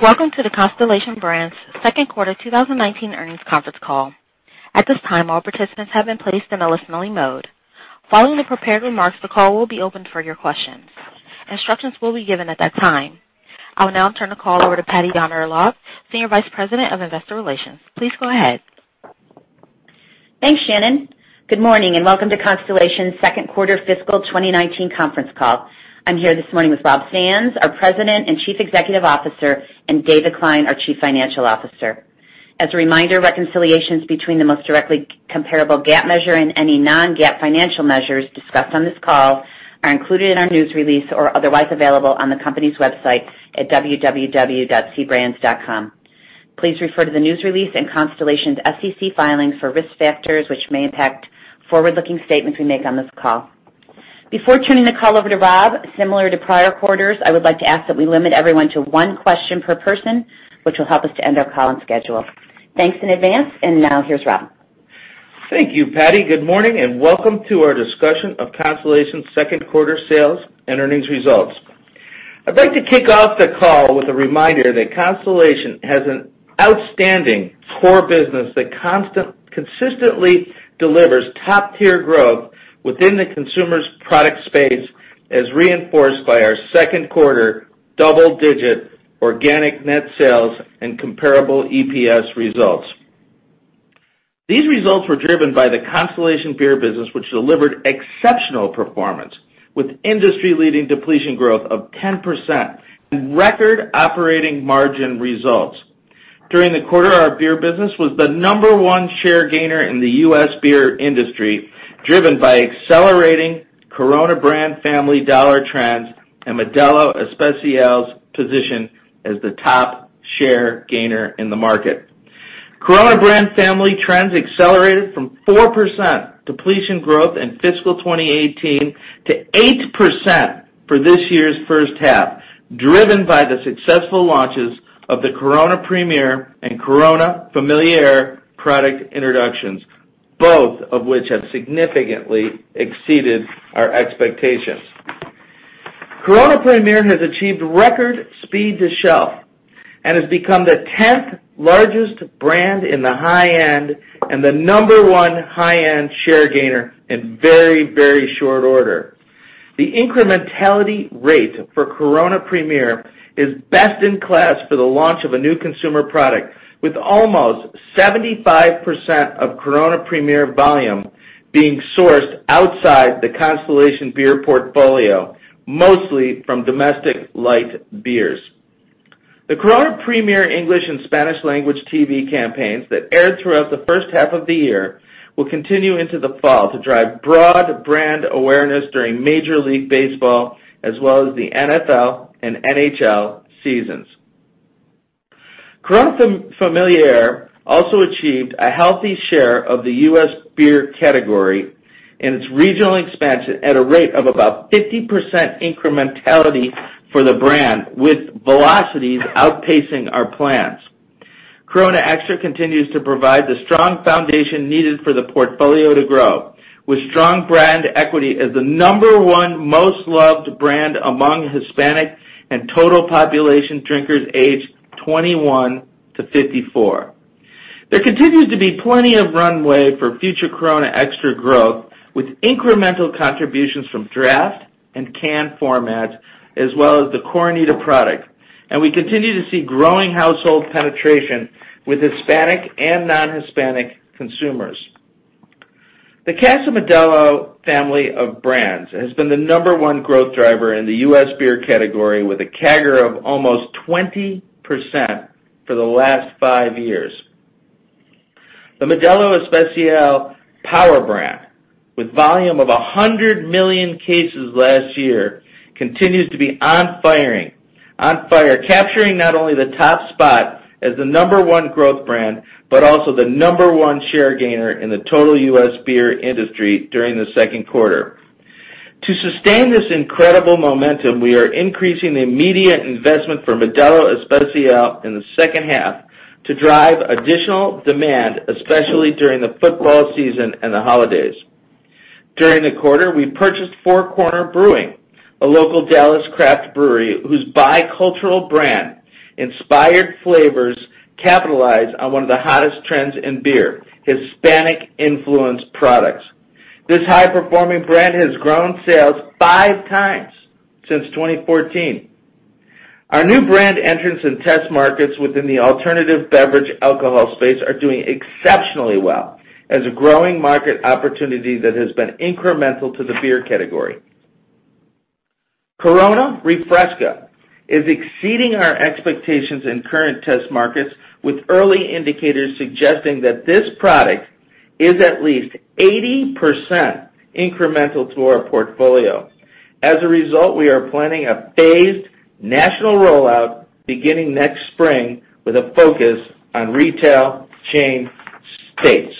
Welcome to the Constellation Brands second quarter 2019 earnings conference call. At this time, all participants have been placed in a listening mode. Following the prepared remarks, the call will be opened for your questions. Instructions will be given at that time. I will now turn the call over to Patty Yahn-Urlaub, Senior Vice President of Investor Relations. Please go ahead. Thanks, Shannon. Good morning and welcome to Constellation's second quarter fiscal 2019 conference call. I'm here this morning with Rob Sands, our President and Chief Executive Officer, and David Klein, our Chief Financial Officer. As a reminder, reconciliations between the most directly comparable GAAP measure and any non-GAAP financial measures discussed on this call are included in our news release or otherwise available on the company's website at www.cbrands.com. Please refer to the news release and Constellation's SEC filings for risk factors, which may impact forward-looking statements we make on this call. Before turning the call over to Rob, similar to prior quarters, I would like to ask that we limit everyone to one question per person, which will help us to end our call on schedule. Thanks in advance. Now here's Rob. Thank you, Patty. Good morning and welcome to our discussion of Constellation's second quarter sales and earnings results. I'd like to kick off the call with a reminder that Constellation has an outstanding core business that consistently delivers top-tier growth within the consumer's product space, as reinforced by our second quarter double-digit organic net sales and comparable EPS results. These results were driven by the Constellation beer business, which delivered exceptional performance, with industry-leading depletion growth of 10% and record operating margin results. During the quarter, our beer business was the number one share gainer in the U.S. beer industry, driven by accelerating Corona brand family dollar trends and Modelo Especial's position as the top share gainer in the market. Corona brand family trends accelerated from 4% depletion growth in fiscal 2018 to 8% for this year's first half, driven by the successful launches of the Corona Premier and Corona Familiar product introductions, both of which have significantly exceeded our expectations. Corona Premier has achieved record speed to shelf and has become the 10th largest brand in the high-end and the number one high-end share gainer in very short order. The incrementality rate for Corona Premier is best in class for the launch of a new consumer product, with almost 75% of Corona Premier volume being sourced outside the Constellation beer portfolio, mostly from domestic light beers. The Corona Premier English and Spanish language TV campaigns that aired throughout the first half of the year will continue into the fall to drive broad brand awareness during Major League Baseball, as well as the NFL and NHL seasons. Corona Familiar also achieved a healthy share of the U.S. beer category and its regional expansion at a rate of about 50% incrementality for the brand, with velocities outpacing our plans. Corona Extra continues to provide the strong foundation needed for the portfolio to grow, with strong brand equity as the number one most loved brand among Hispanic and total population drinkers aged 21 to 54. There continues to be plenty of runway for future Corona Extra growth, with incremental contributions from draft and can formats, as well as the Coronita product. We continue to see growing household penetration with Hispanic and non-Hispanic consumers. The Casa Modelo family of brands has been the number one growth driver in the U.S. beer category, with a CAGR of almost 20% for the last five years. The Modelo Especial power brand, with volume of 100 million cases last year, continues to be on fire, capturing not only the top spot as the number one growth brand, but also the number one share gainer in the total U.S. beer industry during the second quarter. To sustain this incredible momentum, we are increasing the media investment for Modelo Especial in the second half to drive additional demand, especially during the football season and the holidays. During the quarter, we purchased Four Corners Brewing, a local Dallas craft brewery whose bicultural brand inspired flavors capitalize on one of the hottest trends in beer, Hispanic-influenced products. This high-performing brand has grown sales five times since 2014. Our new brand entrants in test markets within the alternative beverage alcohol space are doing exceptionally well as a growing market opportunity that has been incremental to the beer category. Corona Refresca is exceeding our expectations in current test markets, with early indicators suggesting that this product is at least 80% incremental to our portfolio. As a result, we are planning a phased national rollout beginning next spring, with a focus on retail chain states.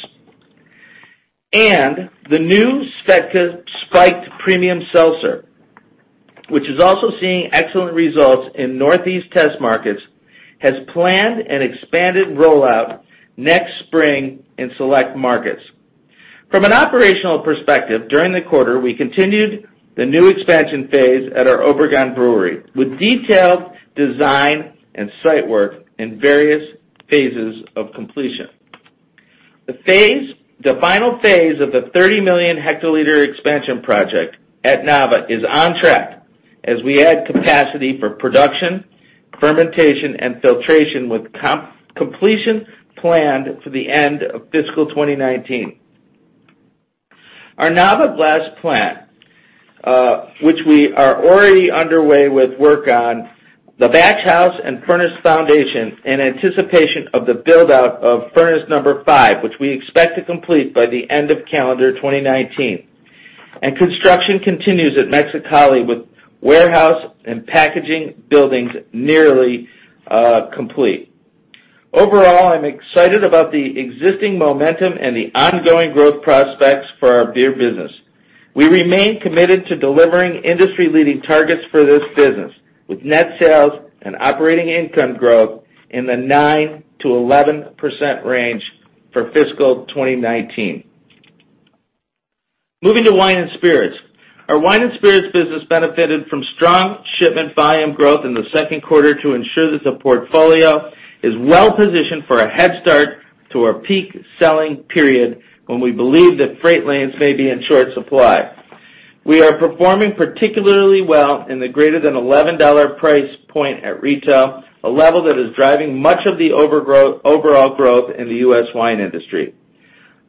The new SVEDKA Spiked Premium Seltzer, which is also seeing excellent results in Northeast test markets, has planned an expanded rollout next spring in select markets. From an operational perspective, during the quarter, we continued the new expansion phase at our Obregon Brewery with detailed design and site work in various phases of completion. The final phase of the 30 million hectoliter expansion project at Nava is on track as we add capacity for production, fermentation, and filtration, with completion planned for the end of fiscal 2019. Our Nava glass plant, which we are already underway with work on the batch house and furnace foundation in anticipation of the build-out of furnace number 5, which we expect to complete by the end of calendar 2019. Construction continues at Mexicali, with warehouse and packaging buildings nearly complete. Overall, I'm excited about the existing momentum and the ongoing growth prospects for our beer business. We remain committed to delivering industry-leading targets for this business, with net sales and operating income growth in the 9%-11% range for fiscal 2019. Moving to wine and spirits. Our wine and spirits business benefited from strong shipment volume growth in the second quarter to ensure that the portfolio is well-positioned for a head start to our peak selling period when we believe that freight lanes may be in short supply. We are performing particularly well in the greater than $11 price point at retail, a level that is driving much of the overall growth in the U.S. wine industry.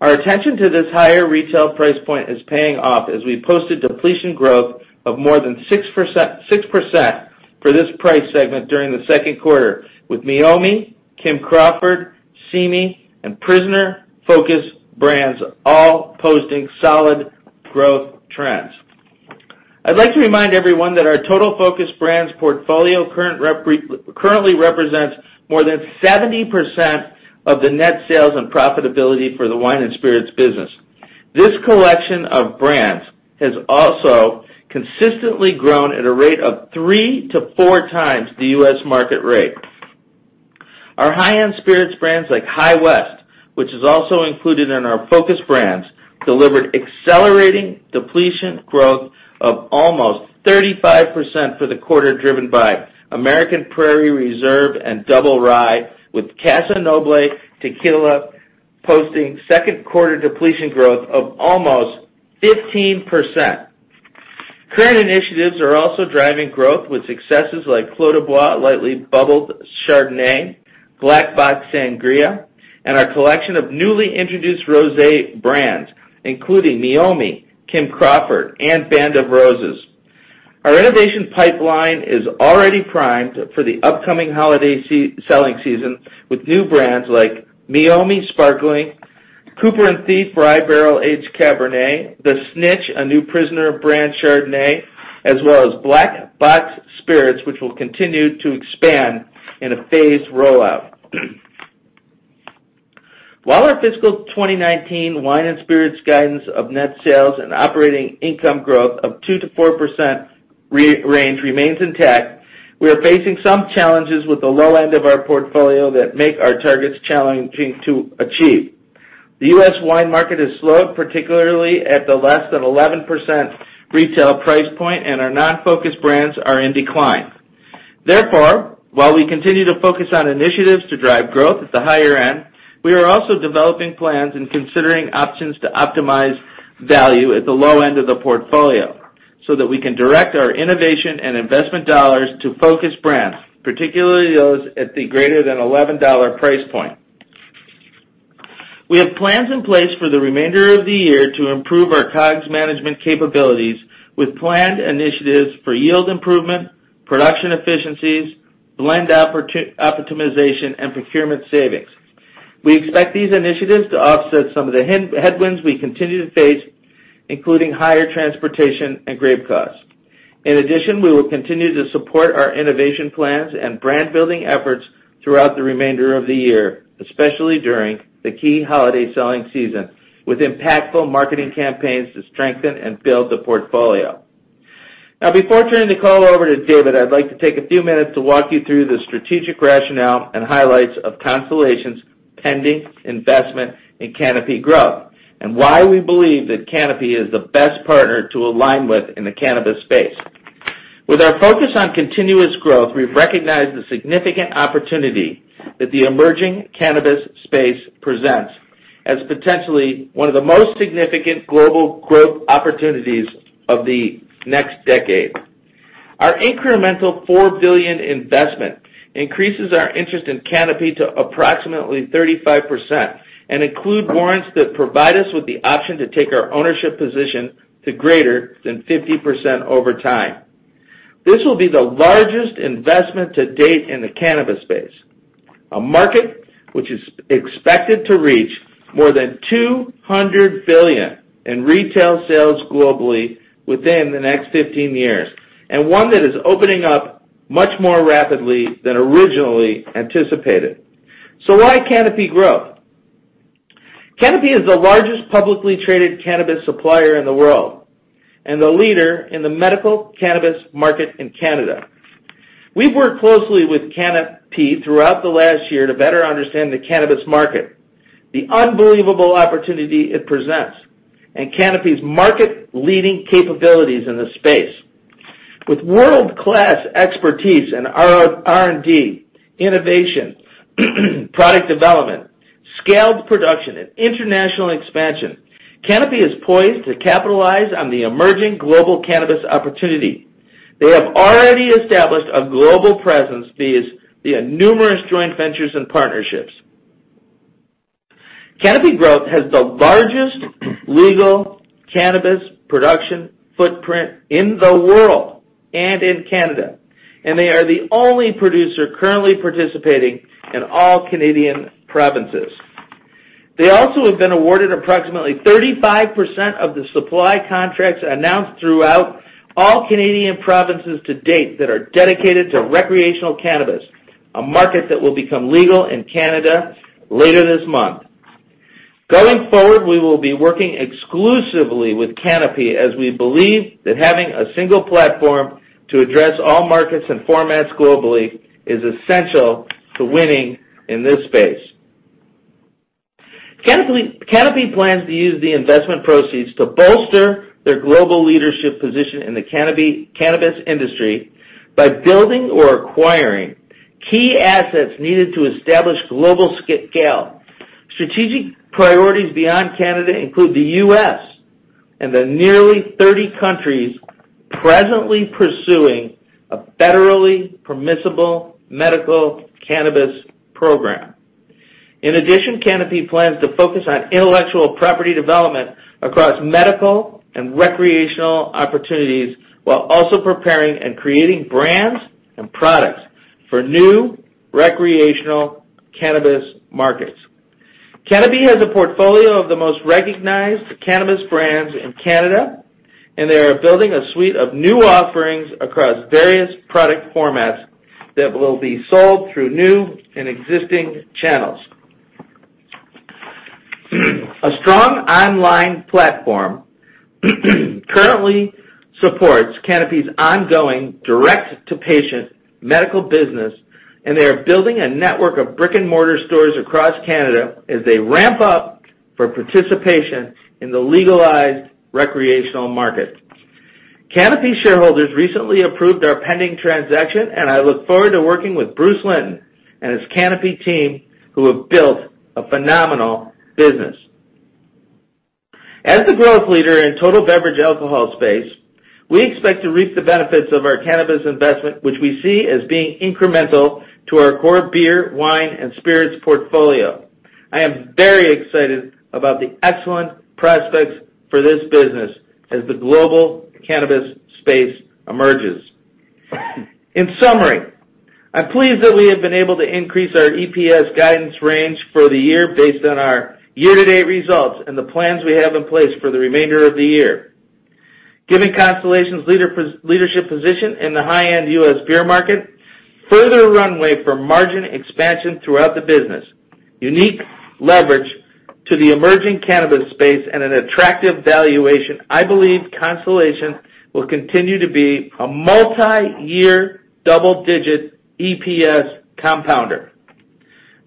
Our attention to this higher retail price point is paying off as we posted depletion growth of more than 6% for this price segment during the second quarter, with Meiomi, Kim Crawford, Simi, and The Prisoner focus brands all posting solid growth trends. I'd like to remind everyone that our total focus brands portfolio currently represents more than 70% of the net sales and profitability for the wine and spirits business. This collection of brands has also consistently grown at a rate of three to four times the U.S. market rate. Our high-end spirits brands like High West, which is also included in our focus brands, delivered accelerating depletion growth of almost 35% for the quarter, driven by American Prairie Reserve and Double Rye, with Casa Noble Tequila posting second quarter depletion growth of almost 15%. Current initiatives are also driving growth with successes like Clos du Bois lightly bubbled Chardonnay, Black Box Sangria, and our collection of newly introduced rosé brands, including Meiomi, Kim Crawford, and Band of Roses. Our innovation pipeline is already primed for the upcoming holiday selling season, with new brands like Meiomi Sparkling, Cooper & Thief Rye Barrel Age Cabernet, The Snitch, a new The Prisoner brand Chardonnay, as well as Black Box Spirits, which will continue to expand in a phased rollout. While our fiscal 2019 wine and spirits guidance of net sales and operating income growth of 2%-4% range remains intact, we are facing some challenges with the low end of our portfolio that make our targets challenging to achieve. The U.S. wine market has slowed, particularly at the less than 11% retail price point, and our non-focus brands are in decline. Therefore, while we continue to focus on initiatives to drive growth at the higher end, we are also developing plans and considering options to optimize value at the low end of the portfolio so that we can direct our innovation and investment dollars to focus brands, particularly those at the greater than $11 price point. We have plans in place for the remainder of the year to improve our COGS management capabilities with planned initiatives for yield improvement, production efficiencies, blend optimization, and procurement savings. We expect these initiatives to offset some of the headwinds we continue to face, including higher transportation and grape costs. In addition, we will continue to support our innovation plans and brand-building efforts throughout the remainder of the year, especially during the key holiday selling season, with impactful marketing campaigns to strengthen and build the portfolio. Now, before turning the call over to David, I'd like to take a few minutes to walk you through the strategic rationale and highlights of Constellation's pending investment in Canopy Growth and why we believe that Canopy is the best partner to align with in the cannabis space. With our focus on continuous growth, we've recognized the significant opportunity that the emerging cannabis space presents as potentially one of the most significant global growth opportunities of the next decade. Our incremental $4 billion investment increases our interest in Canopy to approximately 35% and include warrants that provide us with the option to take our ownership position to greater than 50% over time. This will be the largest investment to date in the cannabis space, a market which is expected to reach more than $200 billion in retail sales globally within the next 15 years, and one that is opening up much more rapidly than originally anticipated. Why Canopy Growth? Canopy is the largest publicly traded cannabis supplier in the world and the leader in the medical cannabis market in Canada. We've worked closely with Canopy throughout the last year to better understand the cannabis market, the unbelievable opportunity it presents, and Canopy's market-leading capabilities in this space. With world-class expertise in R&D, innovation, product development, scaled production, and international expansion, Canopy is poised to capitalize on the emerging global cannabis opportunity. They have already established a global presence via numerous joint ventures and partnerships. Canopy Growth has the largest legal cannabis production footprint in the world and in Canada, and they are the only producer currently participating in all Canadian provinces. They also have been awarded approximately 35% of the supply contracts announced throughout all Canadian provinces to date that are dedicated to recreational cannabis, a market that will become legal in Canada later this month. Going forward, we will be working exclusively with Canopy as we believe that having a single platform to address all markets and formats globally is essential to winning in this space. Canopy plans to use the investment proceeds to bolster their global leadership position in the cannabis industry by building or acquiring key assets needed to establish global scale. Strategic priorities beyond Canada include the U.S. and the nearly 30 countries presently pursuing a federally permissible medical cannabis program. In addition, Canopy plans to focus on intellectual property development across medical and recreational opportunities while also preparing and creating brands and products for new recreational cannabis markets. Canopy has a portfolio of the most recognized cannabis brands in Canada, and they are building a suite of new offerings across various product formats that will be sold through new and existing channels. A strong online platform currently supports Canopy's ongoing direct-to-patient medical business, and they are building a network of brick-and-mortar stores across Canada as they ramp up for participation in the legalized recreational market. Canopy shareholders recently approved our pending transaction, and I look forward to working with Bruce Linton and his Canopy team, who have built a phenomenal business. As the growth leader in total beverage alcohol space, we expect to reap the benefits of our cannabis investment, which we see as being incremental to our core beer, wine, and spirits portfolio. I am very excited about the excellent prospects for this business as the global cannabis space emerges. In summary, I'm pleased that we have been able to increase our EPS guidance range for the year based on our year-to-date results and the plans we have in place for the remainder of the year. Given Constellation's leadership position in the high-end U.S. beer market, further runway for margin expansion throughout the business, unique leverage to the emerging cannabis space, and an attractive valuation, I believe Constellation will continue to be a multi-year, double-digit EPS compounder.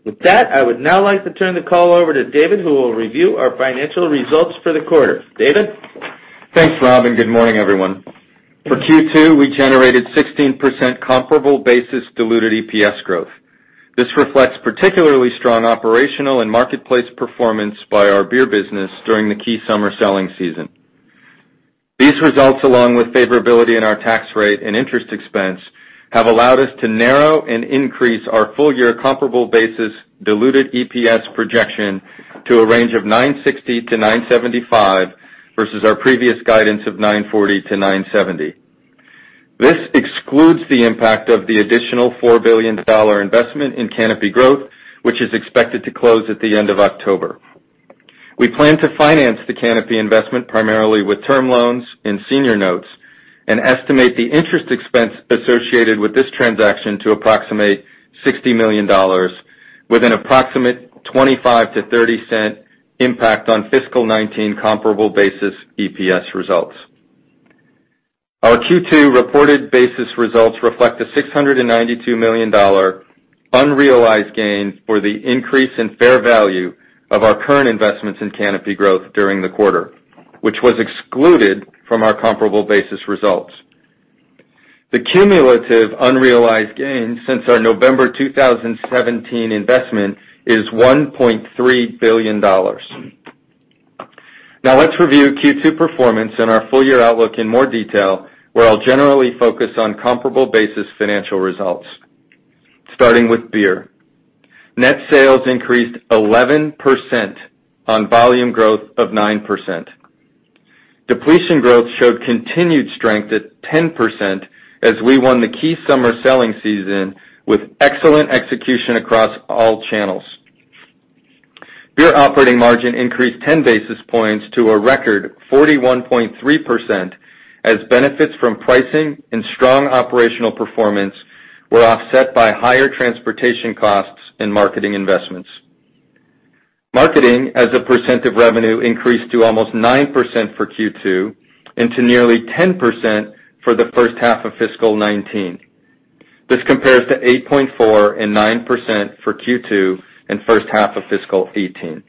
With that, I would now like to turn the call over to David, who will review our financial results for the quarter. David? Thanks, Rob, and good morning, everyone. For Q2, we generated 16% comparable basis diluted EPS growth. This reflects particularly strong operational and marketplace performance by our beer business during the key summer selling season. These results, along with favorability in our tax rate and interest expense, have allowed us to narrow and increase our full-year comparable basis diluted EPS projection to a range of $9.60-$9.75 versus our previous guidance of $9.40-$9.70. This excludes the impact of the additional $4 billion investment in Canopy Growth, which is expected to close at the end of October. We plan to finance the Canopy investment primarily with term loans and senior notes and estimate the interest expense associated with this transaction to approximate $60 million with an approximate $0.25-$0.30 impact on fiscal 2019 comparable basis EPS results. Our Q2 reported basis results reflect a $692 million unrealized gain for the increase in fair value of our current investments in Canopy Growth during the quarter, which was excluded from our comparable basis results. The cumulative unrealized gain since our November 2017 investment is $1.3 billion. Now let's review Q2 performance and our full-year outlook in more detail, where I'll generally focus on comparable basis financial results. Starting with beer. Net sales increased 11% on volume growth of 9%. Depletion growth showed continued strength at 10% as we won the key summer selling season with excellent execution across all channels. Beer operating margin increased 10 basis points to a record 41.3% as benefits from pricing and strong operational performance were offset by higher transportation costs and marketing investments. Marketing as a percent of revenue increased to almost 9% for Q2 and to nearly 10% for the first half of fiscal 2019. This compares to 8.4% and 9% for Q2 and first half of fiscal 2018.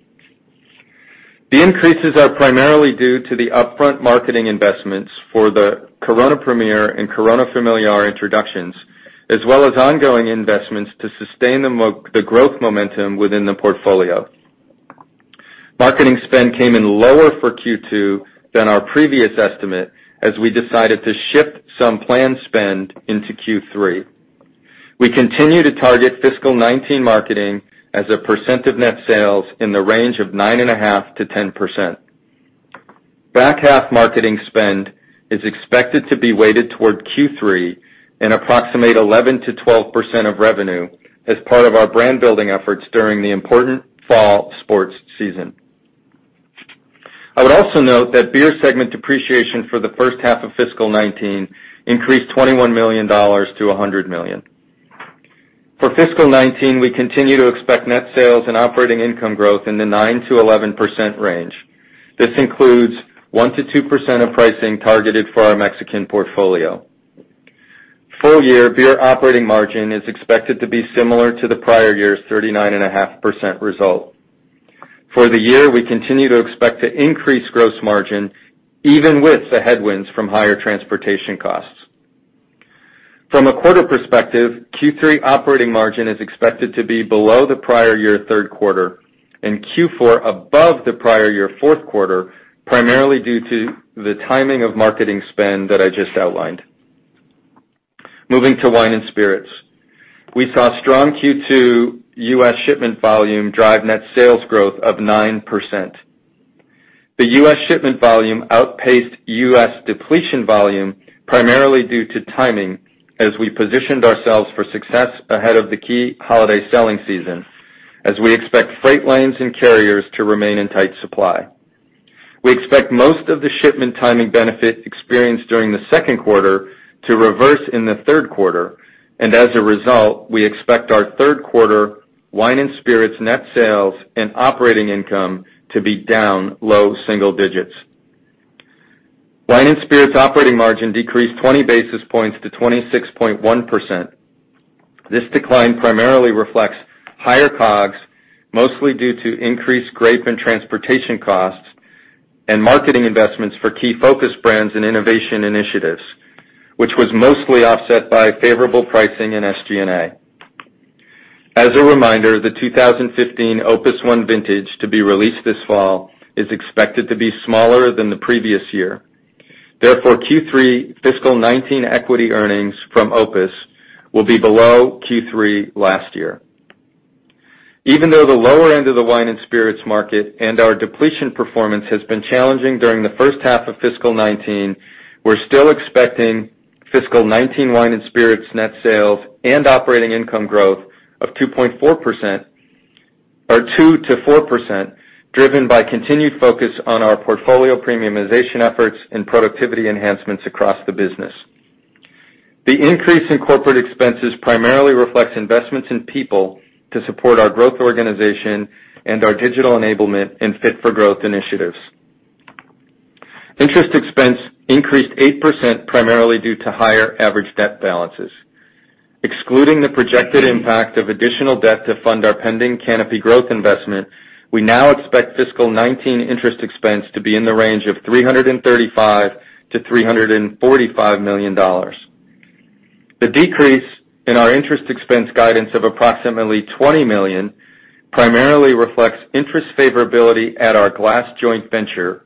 The increases are primarily due to the upfront marketing investments for the Corona Premier and Corona Familiar introductions, as well as ongoing investments to sustain the growth momentum within the portfolio. Marketing spend came in lower for Q2 than our previous estimate, as we decided to shift some planned spend into Q3. We continue to target fiscal 2019 marketing as a percent of net sales in the range of 9.5%-10%. Back half marketing spend is expected to be weighted toward Q3 and approximate 11%-12% of revenue as part of our brand-building efforts during the important fall sports season. I would also note that beer segment depreciation for the first half of fiscal 2019 increased $21 million to $100 million. For fiscal 2019, we continue to expect net sales and operating income growth in the 9%-11% range. This includes 1%-2% of pricing targeted for our Mexican portfolio. Full year beer operating margin is expected to be similar to the prior year's 39.5% result. For the year, we continue to expect to increase gross margin even with the headwinds from higher transportation costs. From a quarter perspective, Q3 operating margin is expected to be below the prior year third quarter, and Q4 above the prior year fourth quarter, primarily due to the timing of marketing spend that I just outlined. Moving to wine and spirits. We saw strong Q2 U.S. shipment volume drive net sales growth of 9%. The U.S. shipment volume outpaced U.S. depletion volume primarily due to timing as we positioned ourselves for success ahead of the key holiday selling season, as we expect freight lanes and carriers to remain in tight supply. As a result, we expect most of the shipment timing benefit experienced during the second quarter to reverse in the third quarter, and we expect our third quarter wine and spirits net sales and operating income to be down low single digits. Wine and spirits operating margin decreased 20 basis points to 26.1%. This decline primarily reflects higher COGS, mostly due to increased grape and transportation costs and marketing investments for key focus brands and innovation initiatives, which was mostly offset by favorable pricing and SG&A. As a reminder, the 2015 Opus One vintage to be released this fall is expected to be smaller than the previous year. Therefore, Q3 fiscal 2019 equity earnings from Opus will be below Q3 last year. Even though the lower end of the wine and spirits market and our depletion performance has been challenging during the first half of fiscal 2019, we're still expecting fiscal 2019 wine and spirits net sales and operating income growth of 2.4%, or 2%-4%, driven by continued focus on our portfolio premiumization efforts and productivity enhancements across the business. The increase in corporate expenses primarily reflects investments in people to support our growth organization and our digital enablement and Fit For Growth initiatives. Interest expense increased 8%, primarily due to higher average debt balances. Excluding the projected impact of additional debt to fund our pending Canopy Growth investment, we now expect fiscal 2019 interest expense to be in the range of $335 million-$345 million. The decrease in our interest expense guidance of approximately $20 million primarily reflects interest favorability at our glass joint venture,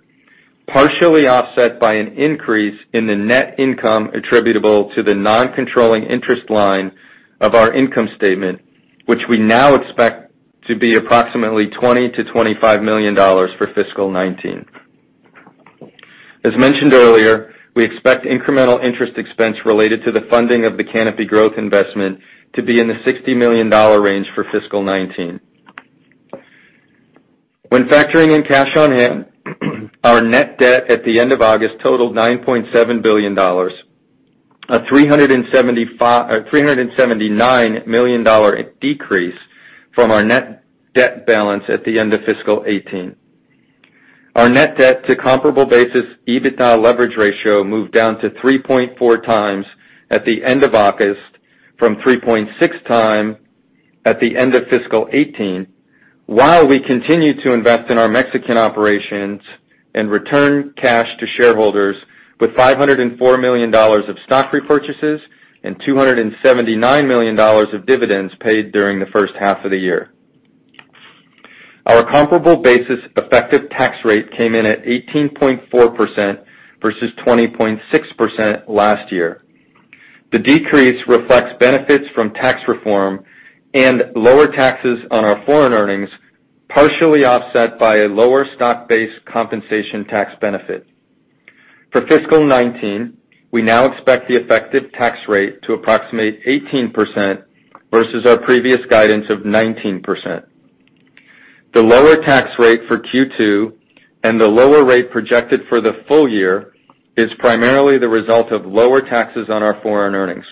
partially offset by an increase in the net income attributable to the non-controlling interest line of our income statement, which we now expect to be approximately $20 million-$25 million for fiscal 2019. As mentioned earlier, we expect incremental interest expense related to the funding of the Canopy Growth investment to be in the $60 million range for fiscal 2019. When factoring in cash on hand, our net debt at the end of August totaled $9.7 billion, a $379 million decrease from our net debt balance at the end of fiscal 2018. Our net debt to comparable basis, EBITDA leverage ratio moved down to 3.4 times at the end of August from 3.6 times at the end of fiscal 2018, while we continued to invest in our Mexican operations and return cash to shareholders with $504 million of stock repurchases and $279 million of dividends paid during the first half of the year. Our comparable basis effective tax rate came in at 18.4% versus 20.6% last year. The decrease reflects benefits from tax reform and lower taxes on our foreign earnings, partially offset by a lower stock-based compensation tax benefit. For fiscal 2019, we now expect the effective tax rate to approximate 18% versus our previous guidance of 19%. The lower tax rate for Q2 and the lower rate projected for the full year is primarily the result of lower taxes on our foreign earnings.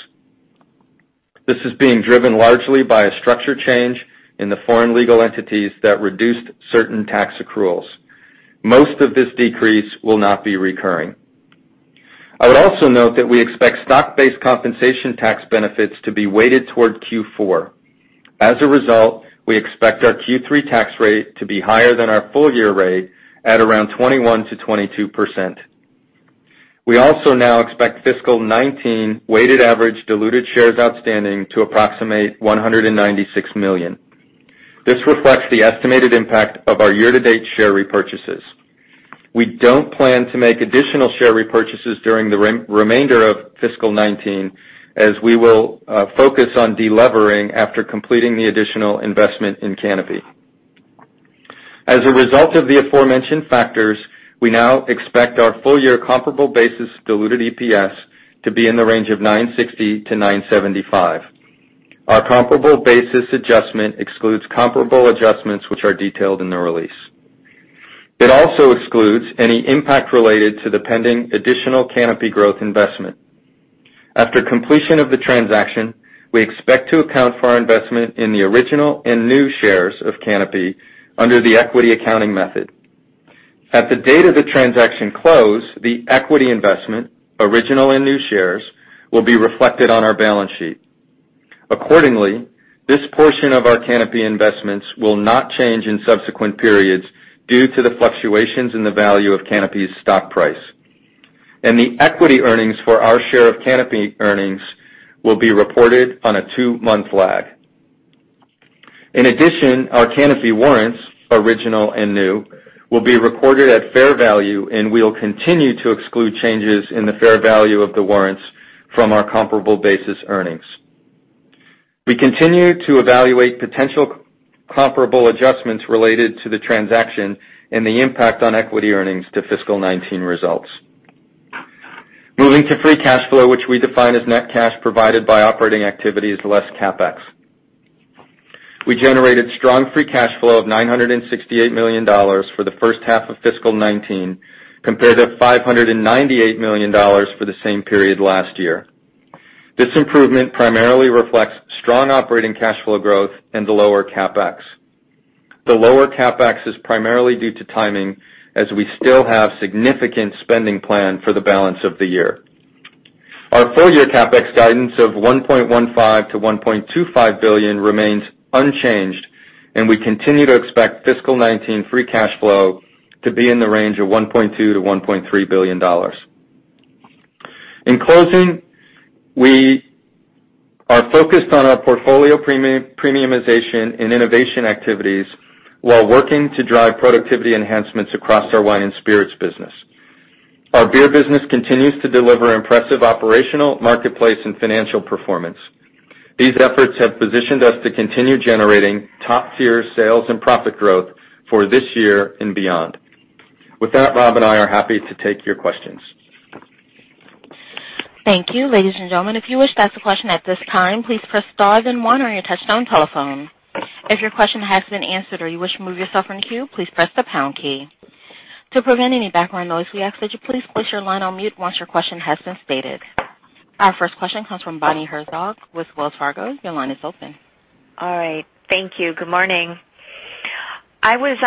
This is being driven largely by a structure change in the foreign legal entities that reduced certain tax accruals. Most of this decrease will not be recurring. I would also note that we expect stock-based compensation tax benefits to be weighted toward Q4. As a result, we expect our Q3 tax rate to be higher than our full-year rate at around 21%-22%. We also now expect fiscal 2019 weighted average diluted shares outstanding to approximate 196 million. This reflects the estimated impact of our year-to-date share repurchases. We don't plan to make additional share repurchases during the remainder of fiscal 2019, as we will focus on de-levering after completing the additional investment in Canopy. As a result of the aforementioned factors, we now expect our full-year comparable basis diluted EPS to be in the range of $9.60-$9.75. Our comparable basis adjustment excludes comparable adjustments which are detailed in the release. It also excludes any impact related to the pending additional Canopy Growth investment. After completion of the transaction, we expect to account for our investment in the original and new shares of Canopy under the equity accounting method. At the date of the transaction close, the equity investment, original and new shares, will be reflected on our balance sheet. Accordingly, this portion of our Canopy investments will not change in subsequent periods due to the fluctuations in the value of Canopy's stock price. The equity earnings for our share of Canopy earnings will be reported on a two-month lag. In addition, our Canopy warrants, original and new, will be recorded at fair value, and we'll continue to exclude changes in the fair value of the warrants from our comparable basis earnings. We continue to evaluate potential comparable adjustments related to the transaction and the impact on equity earnings to fiscal 2019 results. Moving to free cash flow, which we define as net cash provided by operating activities, less CapEx. We generated strong free cash flow of $968 million for the first half of fiscal 2019, compared to $598 million for the same period last year. This improvement primarily reflects strong operating cash flow growth and the lower CapEx. The lower CapEx is primarily due to timing, as we still have significant spending planned for the balance of the year. Our full-year CapEx guidance of $1.15 billion-$1.25 billion remains unchanged, and we continue to expect fiscal 2019 free cash flow to be in the range of $1.2 billion-$1.3 billion. In closing, we are focused on our portfolio premiumization and innovation activities while working to drive productivity enhancements across our wine and spirits business. Our beer business continues to deliver impressive operational, marketplace, and financial performance. These efforts have positioned us to continue generating top-tier sales and profit growth for this year and beyond. With that, Rob and I are happy to take your questions. Thank you. Ladies and gentlemen, if you wish to ask a question at this time, please press star then one on your touchtone telephone. If your question has been answered or you wish to remove yourself from the queue, please press the pound key. To prevent any background noise, we ask that you please place your line on mute once your question has been stated. Our first question comes from Bonnie Herzog with Wells Fargo. Your line is open. All right. Thank you. Good morning. I was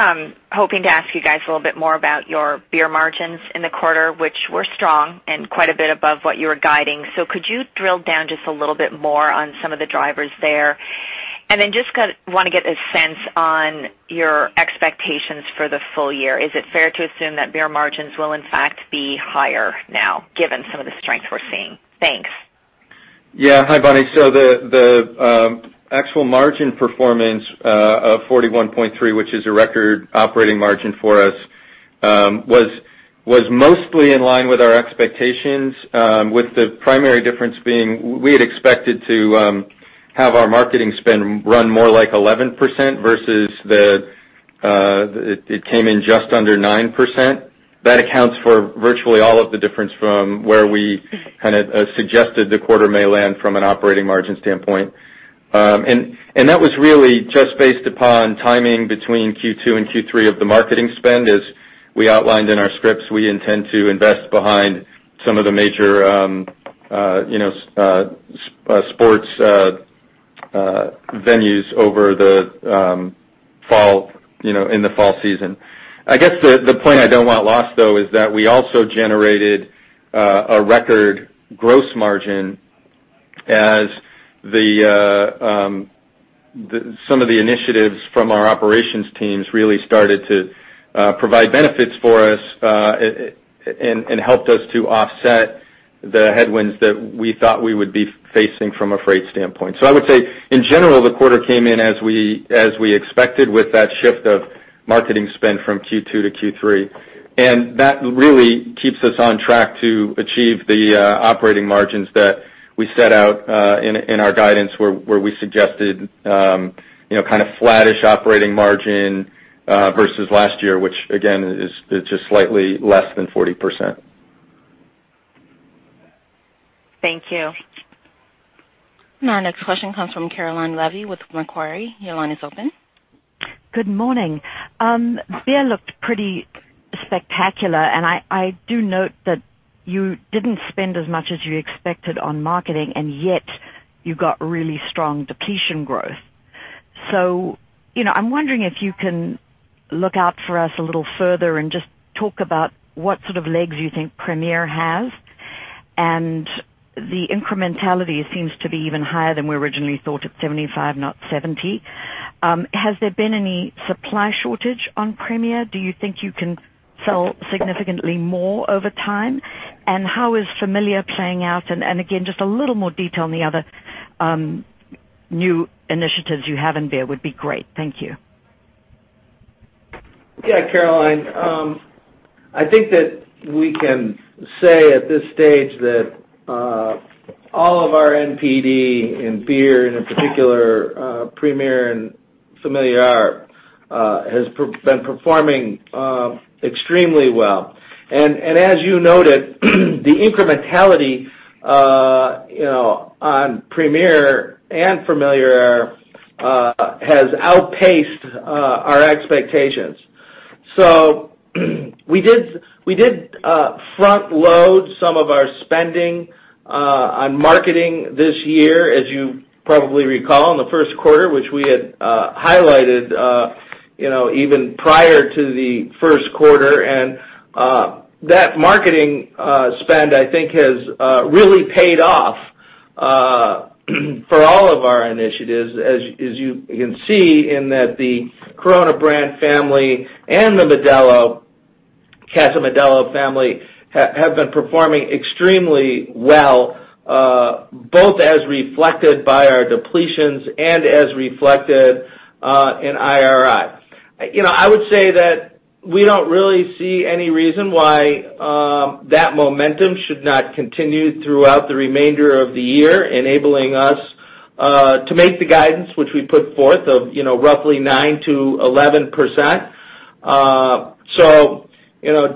hoping to ask you guys a little bit more about your beer margins in the quarter, which were strong and quite a bit above what you were guiding. Could you drill down just a little bit more on some of the drivers there? Just want to get a sense on your expectations for the full year. Is it fair to assume that beer margins will in fact be higher now, given some of the strength we're seeing? Thanks. Yeah. Hi, Bonnie. The actual margin performance of 41.3%, which is a record operating margin for us, was mostly in line with our expectations, with the primary difference being, we had expected to have our marketing spend run more like 11% versus it came in just under 9%. That accounts for virtually all of the difference from where we kind of suggested the quarter may land from an operating margin standpoint. That was really just based upon timing between Q2 and Q3 of the marketing spend. As we outlined in our scripts, we intend to invest behind some of the major sports venues in the fall season. I guess the point I don't want lost, though, is that we also generated a record gross margin as some of the initiatives from our operations teams really started to provide benefits for us, and helped us to offset the headwinds that we thought we would be facing from a freight standpoint. I would say, in general, the quarter came in as we expected with that shift of marketing spend from Q2 to Q3, that really keeps us on track to achieve the operating margins that we set out in our guidance, where we suggested kind of flattish operating margin versus last year, which again, is just slightly less than 40%. Thank you. Our next question comes from Caroline Levy with Macquarie. Your line is open. Good morning. Beer looked pretty spectacular, I do note that you didn't spend as much as you expected on marketing, and yet you got really strong depletion growth. I'm wondering if you can look out for us a little further and just talk about what sort of legs you think Premier has, the incrementality seems to be even higher than we originally thought, at 75, not 70. Has there been any supply shortage on Premier? Do you think you can sell significantly more over time? How is Familiar playing out? Again, just a little more detail on the other new initiatives you have in beer would be great. Thank you. Caroline. I think that we can say at this stage that all of our NPD in beer, and in particular, Premier and Familiar, has been performing extremely well. As you noted, the incrementality on Premier and Familiar has outpaced our expectations. We did front load some of our spending on marketing this year, as you probably recall, in the first quarter, which we had highlighted even prior to the first quarter. That marketing spend, I think, has really paid off for all of our initiatives, as you can see in that the Corona brand family and the Modelo, Casa Modelo family, have been performing extremely well, both as reflected by our depletions and as reflected in IRI. I would say that we don't really see any reason why that momentum should not continue throughout the remainder of the year, enabling us to make the guidance which we put forth of roughly 9%-11%.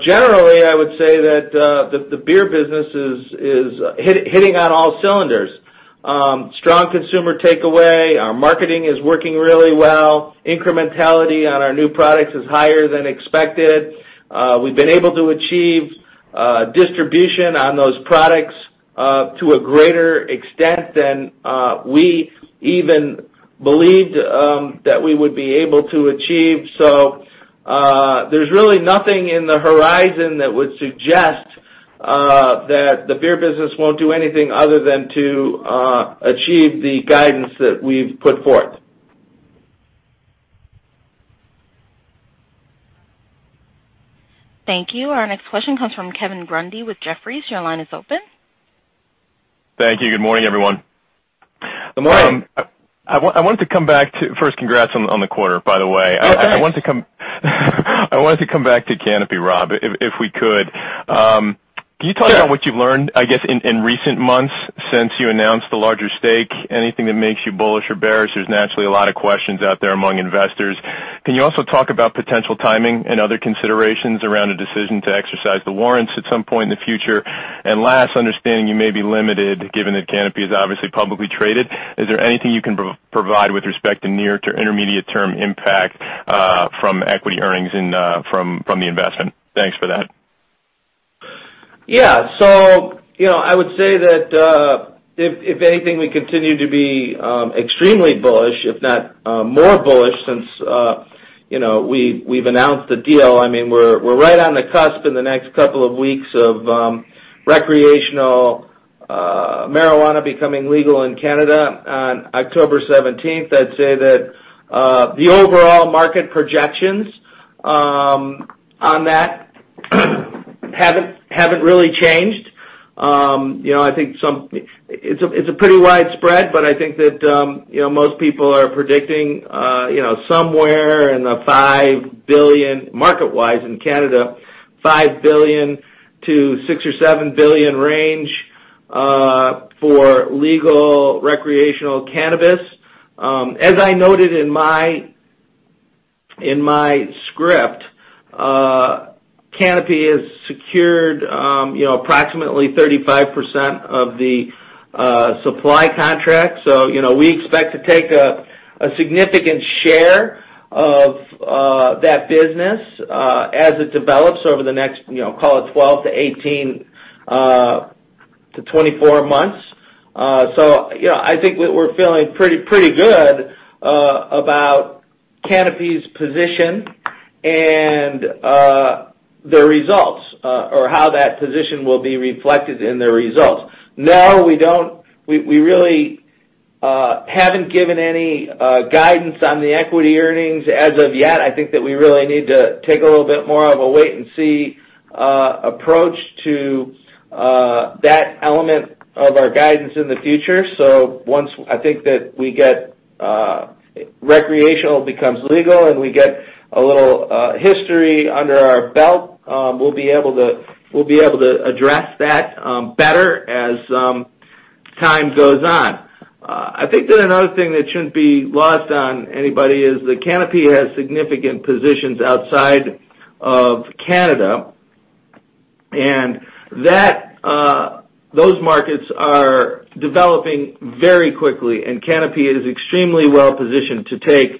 Generally, I would say that the beer business is hitting on all cylinders. Strong consumer takeaway. Our marketing is working really well. Incrementality on our new products is higher than expected. We've been able to achieve distribution on those products to a greater extent than we even believed that we would be able to achieve. There's really nothing in the horizon that would suggest that the beer business won't do anything other than to achieve the guidance that we've put forth. Thank you. Our next question comes from Kevin Grundy with Jefferies. Your line is open. Thank you. Good morning, everyone. Good morning. First, congrats on the quarter, by the way. Yeah, thanks. I wanted to come back to Canopy, Rob, if we could. Sure. Can you talk about what you've learned, I guess, in recent months since you announced the larger stake? Anything that makes you bullish or bearish? There's naturally a lot of questions out there among investors. Can you also talk about potential timing and other considerations around a decision to exercise the warrants at some point in the future? Last, understanding you may be limited given that Canopy is obviously publicly traded, is there anything you can provide with respect to near to intermediate-term impact from equity earnings from the investment? Thanks for that. Yeah. I would say that, if anything, we continue to be extremely bullish, if not more bullish since we've announced the deal. We're right on the cusp in the next couple of weeks of recreational marijuana becoming legal in Canada on October 17th. I'd say that the overall market projections on that haven't really changed. It's pretty widespread, I think that most people are predicting somewhere in the $5 billion, market-wise in Canada, $5 billion to $6 billion or $7 billion range for legal recreational cannabis. As I noted in my script, Canopy has secured approximately 35% of the supply contract. We expect to take a significant share of that business as it develops over the next, call it 12 to 18 to 24 months. I think we're feeling pretty good about Canopy's position and the results or how that position will be reflected in the results. No, we really haven't given any guidance on the equity earnings as of yet. I think that we really need to take a little bit more of a wait-and-see approach to that element of our guidance in the future. Once I think that recreational becomes legal and we get a little history under our belt, we'll be able to address that better as time goes on. I think that another thing that shouldn't be lost on anybody is that Canopy has significant positions outside of Canada. Those markets are developing very quickly, and Canopy is extremely well-positioned to take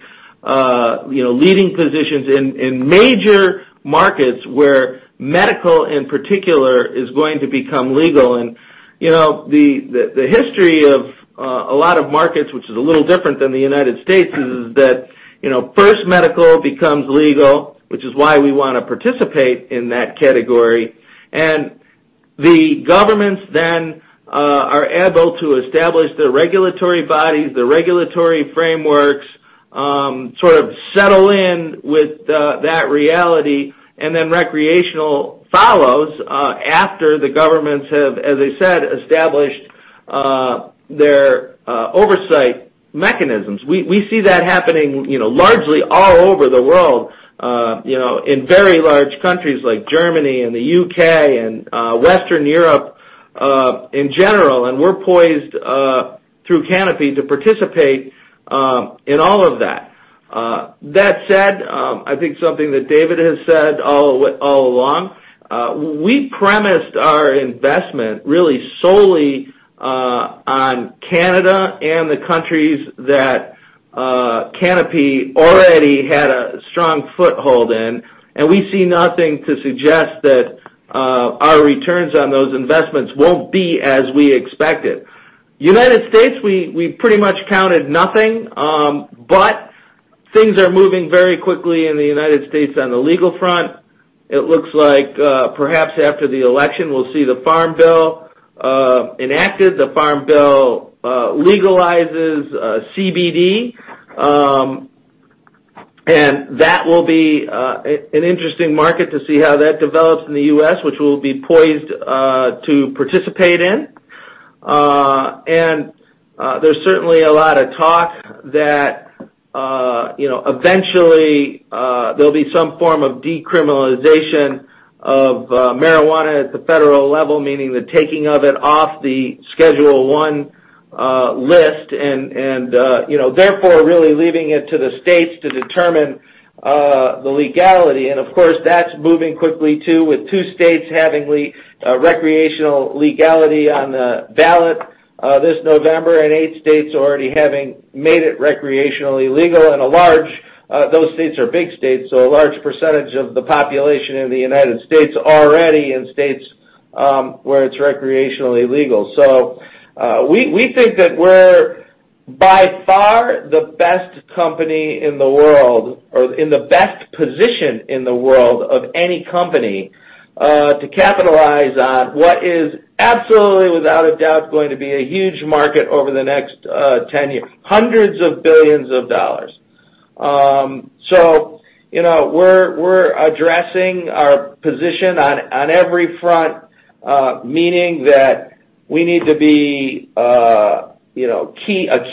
leading positions in major markets where medical, in particular, is going to become legal. The history of a lot of markets, which is a little different than the U.S., is that first medical becomes legal, which is why we want to participate in that category. The governments then are able to establish the regulatory bodies, the regulatory frameworks, sort of settle in with that reality, then recreational follows after the governments have, as I said, established their oversight mechanisms. We see that happening largely all over the world, in very large countries like Germany and the U.K. and Western Europe in general. We're poised through Canopy to participate in all of that. That said, I think something that David has said all along, we premised our investment really solely on Canada and the countries that Canopy already had a strong foothold in. We see nothing to suggest that our returns on those investments won't be as we expected. U.S., we pretty much counted nothing, things are moving very quickly in the U.S. on the legal front. It looks like perhaps after the election, we'll see the Farm Bill enacted. The Farm Bill legalizes CBD. That will be an interesting market to see how that develops in the U.S., which we'll be poised to participate in. There's certainly a lot of talk that eventually, there'll be some form of decriminalization of marijuana at the federal level, meaning the taking of it off the Schedule I list and therefore really leaving it to the states to determine the legality. Of course, that's moving quickly, too, with two states having recreational legality on the ballot this November and eight states already having made it recreationally legal. Those states are big states, so a large percentage of the population in the U.S. already in states where it's recreationally legal. We think that we're by far the best company in the world or in the best position in the world of any company to capitalize on what is absolutely without a doubt going to be a huge market over the next 10 years, $hundreds of billions. We're addressing our position on every front, meaning that we need to be a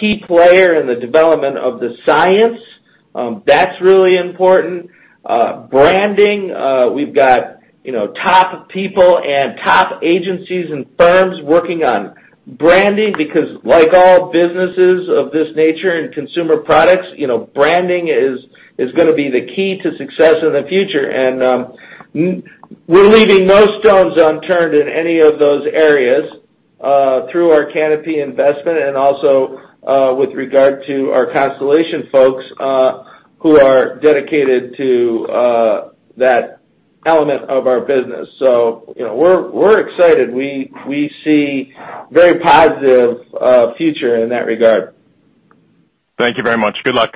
key player in the development of the science. That's really important. Branding, we've got top people and top agencies and firms working on branding because like all businesses of this nature in consumer products, branding is going to be the key to success in the future. We're leaving no stones unturned in any of those areas through our Canopy investment and also with regard to our Constellation folks who are dedicated to that element of our business. We're excited. We see very positive future in that regard. Thank you very much. Good luck.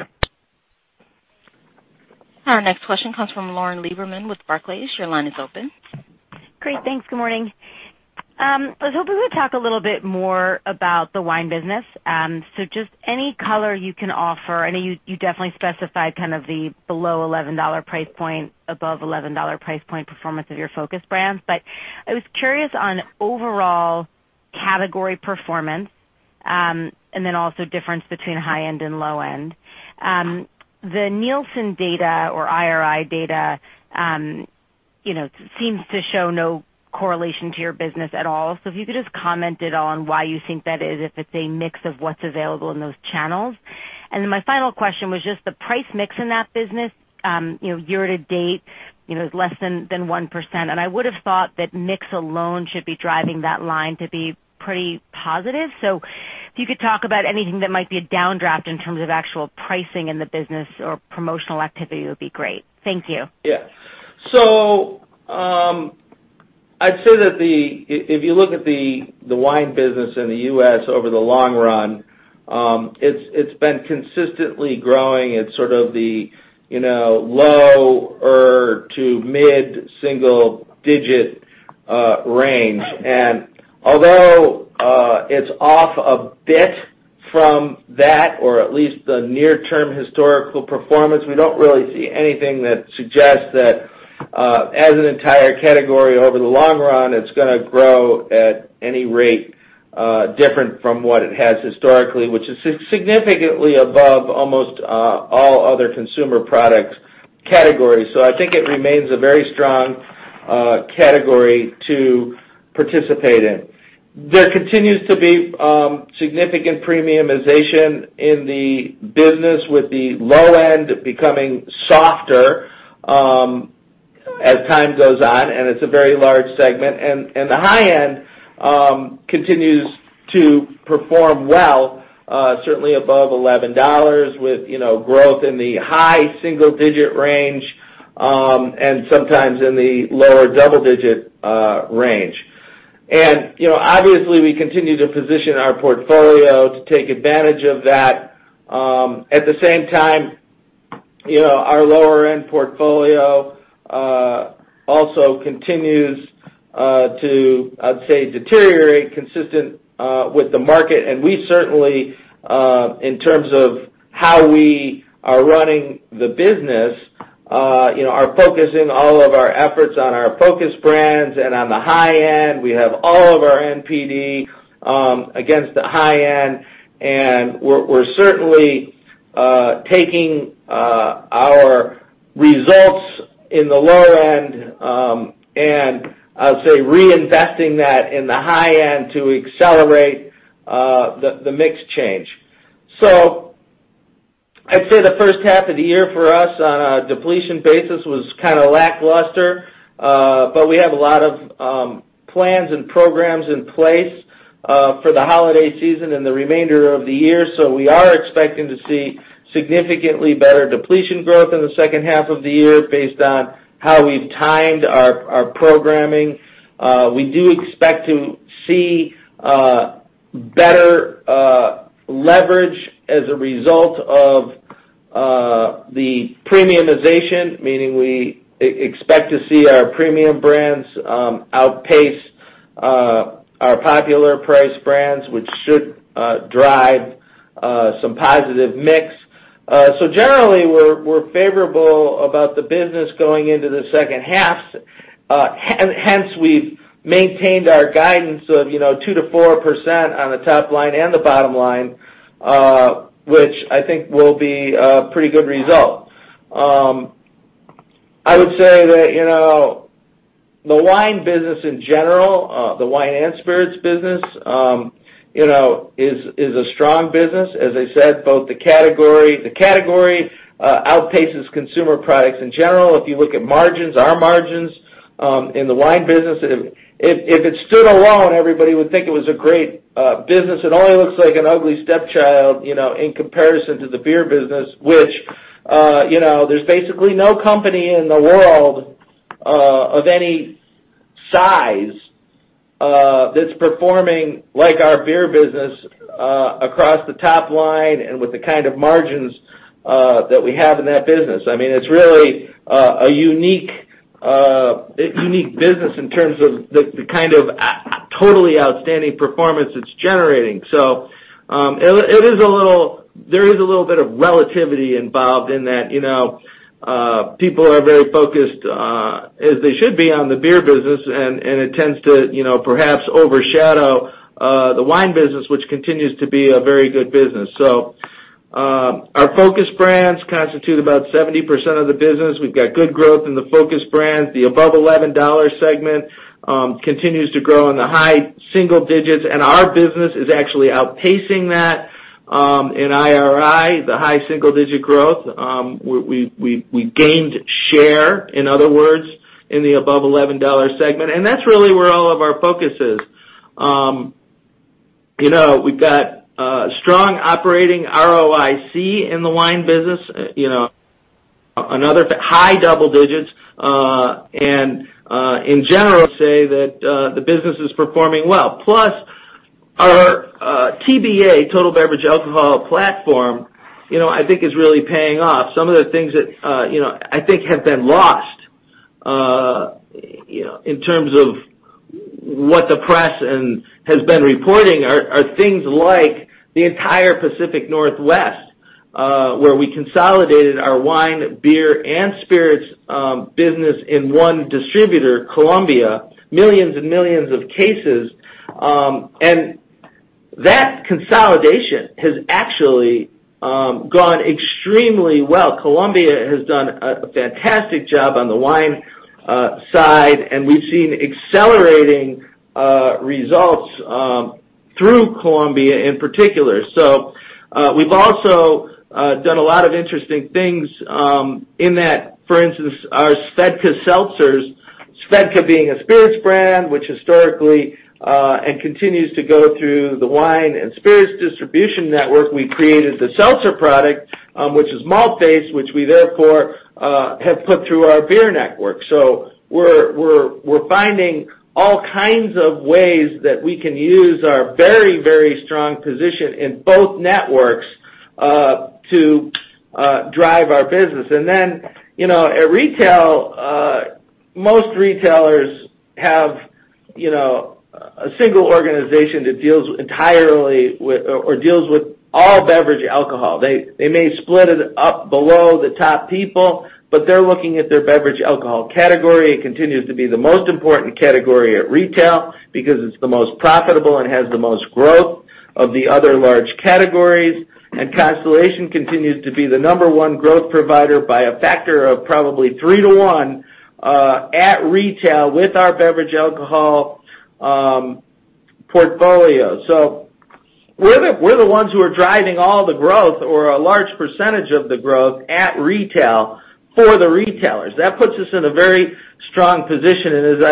Our next question comes from Lauren Lieberman with Barclays. Your line is open. Great. Thanks. Good morning. I was hoping you would talk a little bit more about the wine business. Just any color you can offer. I know you definitely specified kind of the below $11 price point, above $11 price point performance of your focus brands, but I was curious on overall category performance and then also difference between high end and low end. The Nielsen data or IRI data seems to show no correlation to your business at all. If you could just comment at all on why you think that is, if it's a mix of what's available in those channels. Then my final question was just the price mix in that business, year to date is less than 1%, and I would've thought that mix alone should be driving that line to be pretty positive. If you could talk about anything that might be a downdraft in terms of actual pricing in the business or promotional activity would be great. Thank you. Yeah. I'd say that if you look at the wine business in the U.S. over the long run, it's been consistently growing at sort of the lower to mid-single digit range. Although it's off a bit from that or at least the near-term historical performance, we don't really see anything that suggests that as an entire category over the long run, it's going to grow at any rate different from what it has historically, which is significantly above almost all other consumer product categories. I think it remains a very strong category to participate in. There continues to be significant premiumization in the business, with the low end becoming softer as time goes on, and it's a very large segment. The high end continues to perform well, certainly above $11, with growth in the high single-digit range and sometimes in the lower double-digit range. Obviously, we continue to position our portfolio to take advantage of that. At the same time, our lower-end portfolio also continues to, I'd say, deteriorate consistent with the market. We certainly, in terms of how we are running the business, are focusing all of our efforts on our focus brands and on the high end. We have all of our NPD against the high end, and we're certainly taking our results in the low end and, I'd say, reinvesting that in the high end to accelerate the mix change. I'd say the first half of the year for us on a depletion basis was kind of lackluster. We have a lot of plans and programs in place for the holiday season and the remainder of the year. We are expecting to see significantly better depletion growth in the second half of the year based on how we've timed our programming. We do expect to see better leverage as a result of the premiumization, meaning we expect to see our premium brands outpace our popular price brands, which should drive some positive mix. Generally, we're favorable about the business going into the second half. Hence, we've maintained our guidance of 2%-4% on the top line and the bottom line, which I think will be a pretty good result. I would say that the wine business in general, the wine and spirits business, is a strong business. As I said, both the category outpaces consumer products in general. If you look at margins, our margins in the wine business, if it stood alone, everybody would think it was a great business. It only looks like an ugly stepchild in comparison to the beer business, which there's basically no company in the world of any size that's performing like our beer business across the top line and with the kind of margins that we have in that business. It's really a unique business in terms of the kind of totally outstanding performance it's generating. There is a little bit of relativity involved in that. People are very focused, as they should be, on the beer business, and it tends to perhaps overshadow the wine business, which continues to be a very good business. Our focus brands constitute about 70% of the business. We've got good growth in the focus brands. The above $11 segment continues to grow in the high single digits, and our business is actually outpacing that in IRI, the high single-digit growth. We gained share, in other words, in the above $11 segment, and that's really where all of our focus is. We've got strong operating ROIC in the wine business, another high double digits. In general, say that the business is performing well. Plus, our TBA, Total Beverage Alcohol platform, I think is really paying off. Some of the things that I think have been lost, in terms of what the press has been reporting, are things like the entire Pacific Northwest where we consolidated our wine, beer, and spirits business in one distributor, Columbia, millions and millions of cases. That consolidation has actually gone extremely well. Columbia has done a fantastic job on the wine side, and we've seen accelerating results through Columbia in particular. We've also done a lot of interesting things in that, for instance, our SVEDKA Seltzers, SVEDKA being a spirits brand, which historically and continues to go through the wine and spirits distribution network, we created the Seltzer product, which is malt-based, which we therefore have put through our beer network. We're finding all kinds of ways that we can use our very strong position in both networks to drive our business. At retail, most retailers have a single organization that deals entirely with or deals with all beverage alcohol. They may split it up below the top people, but they're looking at their beverage alcohol category. It continues to be the most important category at retail because it's the most profitable and has the most growth of the other large categories, and Constellation continues to be the number 1 growth provider by a factor of probably 3 to 1 at retail with our beverage alcohol portfolio. We're the ones who are driving all the growth or a large percentage of the growth at retail for the retailers. That puts us in a very strong position, and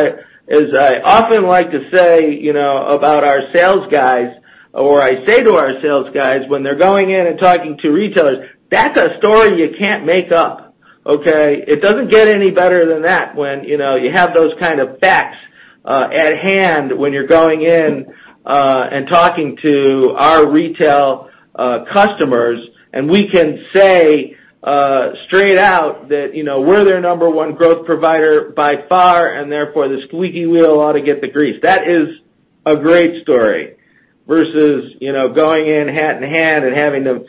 as I often like to say about our sales guys, or I say to our sales guys when they're going in and talking to retailers, "That's a story you can't make up." Okay? It doesn't get any better than that when you have those kind of facts at hand when you're going in and talking to our retail customers, and we can say straight out that we're their number 1 growth provider by far, and therefore the squeaky wheel ought to get the grease. That is a great story versus going in hat in hand and having them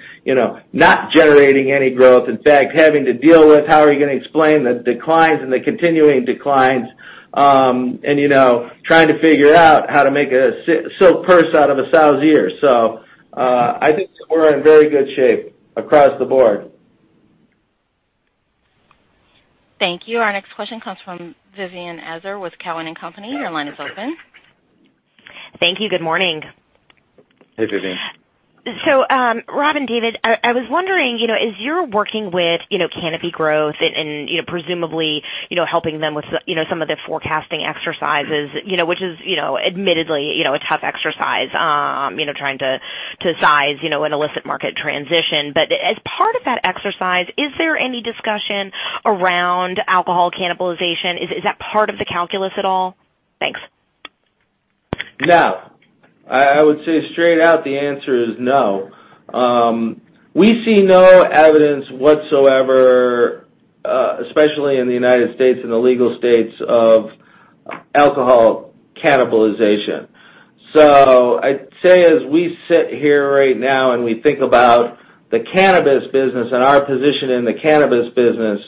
not generating any growth, in fact, having to deal with how are you going to explain the declines and the continuing declines, and trying to figure out how to make a silk purse out of a sow's ear. I think we're in very good shape across the board. Thank you. Our next question comes from Vivien Azer with Cowen and Company. Your line is open. Thank you. Good morning. Hey, Vivien. Rob and David, I was wondering, as you're working with Canopy Growth and presumably helping them with some of the forecasting exercises, which is admittedly a tough exercise, trying to size an illicit market transition. As part of that exercise, is there any discussion around alcohol cannibalization? Is that part of the calculus at all? Thanks. No. I would say straight out the answer is no. We see no evidence whatsoever, especially in the U.S., in the legal states of alcohol cannibalization. I'd say as we sit here right now and we think about the cannabis business and our position in the cannabis business,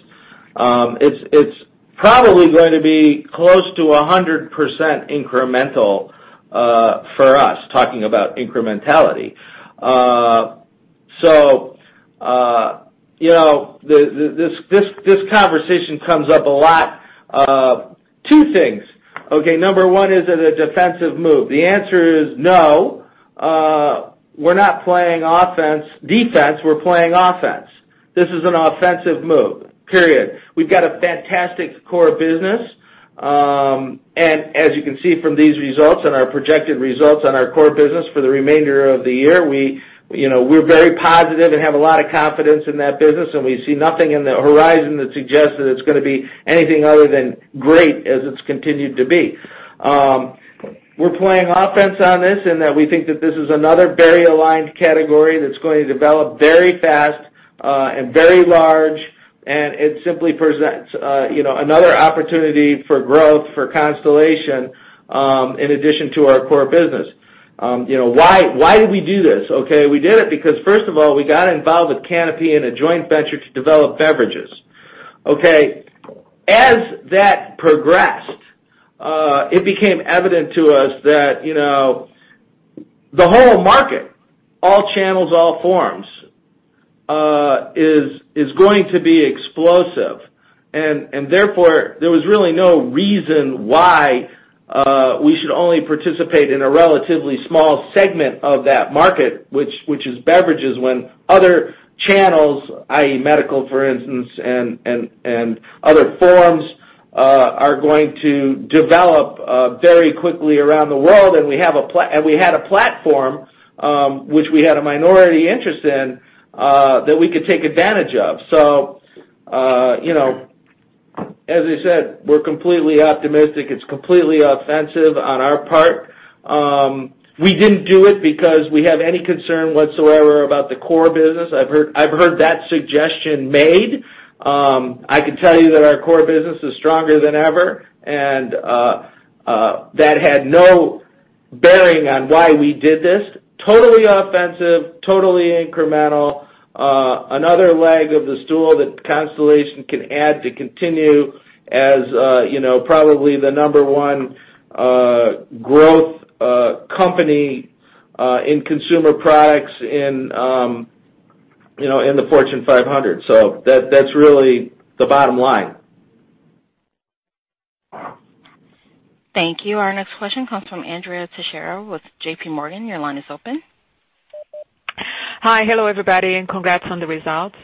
it's probably going to be close to 100% incremental for us, talking about incrementality. This conversation comes up a lot. Two things, okay, number 1, is it a defensive move? The answer is no. We're not playing offense, defense. We're playing offense. This is an offensive move, period. We've got a fantastic core business, as you can see from these results and our projected results on our core business for the remainder of the year, we're very positive and have a lot of confidence in that business. We see nothing in the horizon that suggests that it's going to be anything other than great as it's continued to be. We're playing offense on this in that we think that this is another very aligned category that's going to develop very fast and very large. It simply presents another opportunity for growth for Constellation in addition to our core business. Why did we do this? Okay. We did it because first of all, we got involved with Canopy in a joint venture to develop beverages. Okay. As that progressed, it became evident to us that the whole market, all channels, all forms, is going to be explosive, therefore there was really no reason why we should only participate in a relatively small segment of that market, which is beverages, when other channels, i.e. medical, for instance, and other forms, are going to develop very quickly around the world. We had a platform, which we had a minority interest in, that we could take advantage of. As I said, we're completely optimistic. It's completely offensive on our part. We didn't do it because we have any concern whatsoever about the core business. I've heard that suggestion made. I can tell you that our core business is stronger than ever, that had no bearing on why we did this. Totally offensive, totally incremental, another leg of the stool that Constellation can add to continue as probably the number one growth company in consumer products in the Fortune 500. That's really the bottom line. Thank you. Our next question comes from Andrea Teixeira with JPMorgan. Your line is open. Hi. Hello, everybody, and congrats on the results.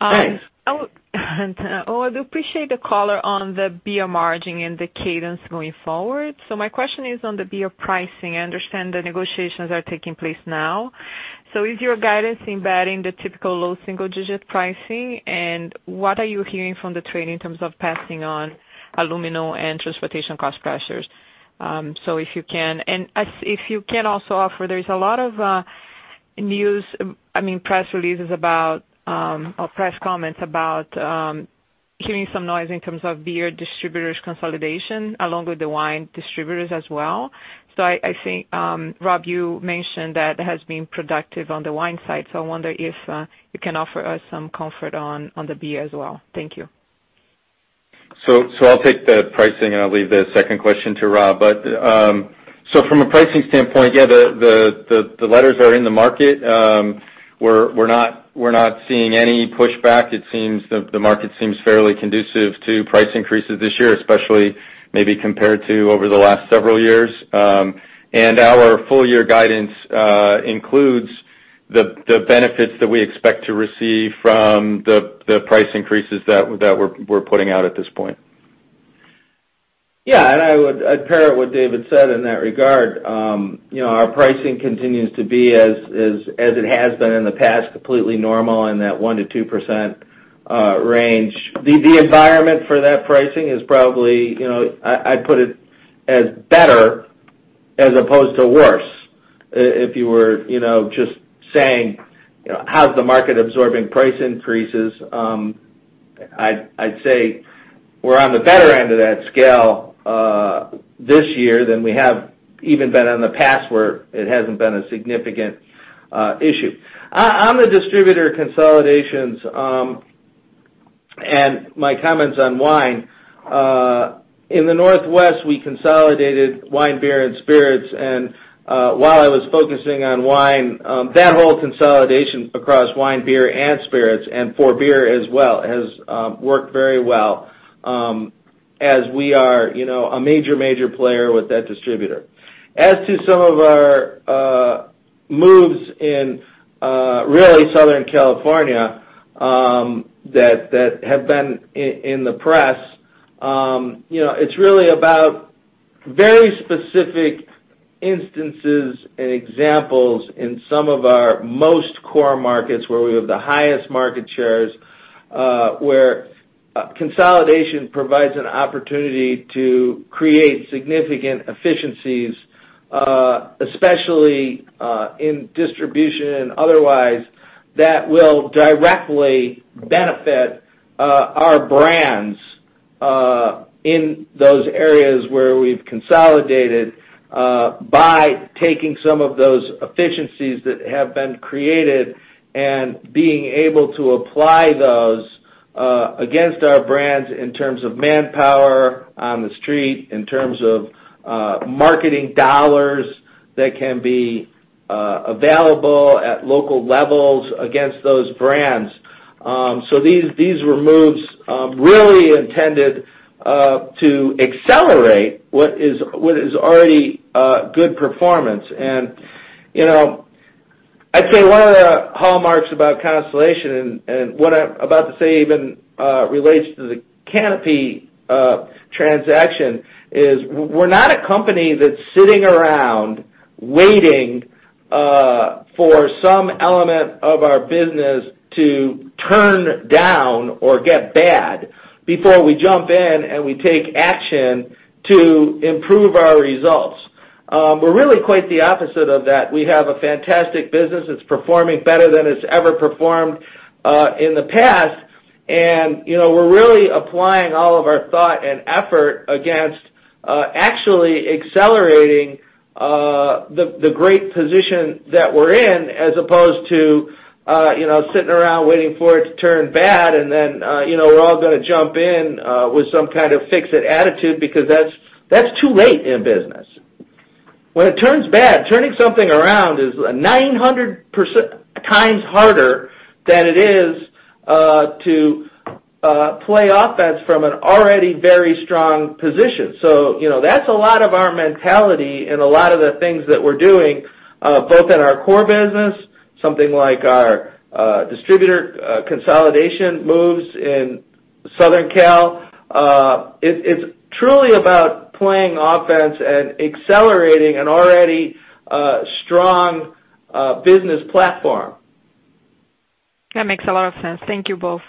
Hi. I would appreciate the color on the beer margin and the cadence going forward. My question is on the beer pricing. I understand the negotiations are taking place now. Is your guidance embedding the typical low single-digit pricing, and what are you hearing from the trade in terms of passing on aluminum and transportation cost pressures? If you can. If you can also offer, there is a lot of news, press releases about, or press comments about hearing some noise in terms of beer distributors' consolidation along with the wine distributors as well. I think, Rob, you mentioned that it has been productive on the wine side, so I wonder if you can offer us some comfort on the beer as well. Thank you. I'll take the pricing, and I'll leave the second question to Rob. From a pricing standpoint, yeah, the letters are in the market. We're not seeing any pushback. The market seems fairly conducive to price increases this year, especially maybe compared to over the last several years. Our full year guidance includes the benefits that we expect to receive from the price increases that we're putting out at this point. Yeah. I'd pair what David said in that regard. Our pricing continues to be as it has been in the past, completely normal in that 1%-2% range. The environment for that pricing is probably, I'd put it as better as opposed to worse. If you were just saying, how's the market absorbing price increases? I'd say we're on the better end of that scale this year than we have even been in the past where it hasn't been a significant issue. On the distributor consolidations, and my comments on wine. In the Northwest, we consolidated wine, beer, and spirits. While I was focusing on wine, that whole consolidation across wine, beer, and spirits, and for beer as well, has worked very well as we are a major player with that distributor. As to some of our moves in really Southern California that have been in the press, it's really about very specific instances and examples in some of our most core markets where we have the highest market shares, where consolidation provides an opportunity to create significant efficiencies, especially in distribution and otherwise, that will directly benefit our brands, in those areas where we've consolidated, by taking some of those efficiencies that have been created and being able to apply those against our brands in terms of manpower on the street, in terms of marketing dollars that can be available at local levels against those brands. These were moves really intended to accelerate what is already a good performance. I'd say one of the hallmarks about Constellation and what I'm about to say even relates to the Canopy transaction is we're not a company that's sitting around waiting for some element of our business to turn down or get bad before we jump in and we take action to improve our results. We're really quite the opposite of that. We have a fantastic business. It's performing better than it's ever performed in the past. We're really applying all of our thought and effort against actually accelerating the great position that we're in as opposed to sitting around waiting for it to turn bad and then we're all going to jump in with some kind of fix-it attitude because that's too late in business. When it turns bad, turning something around is 900 times harder than it is to play offense from an already very strong position. That's a lot of our mentality and a lot of the things that we're doing, both in our core business, something like our distributor consolidation moves in Southern Cal. It's truly about playing offense and accelerating an already strong business platform. That makes a lot of sense. Thank you both.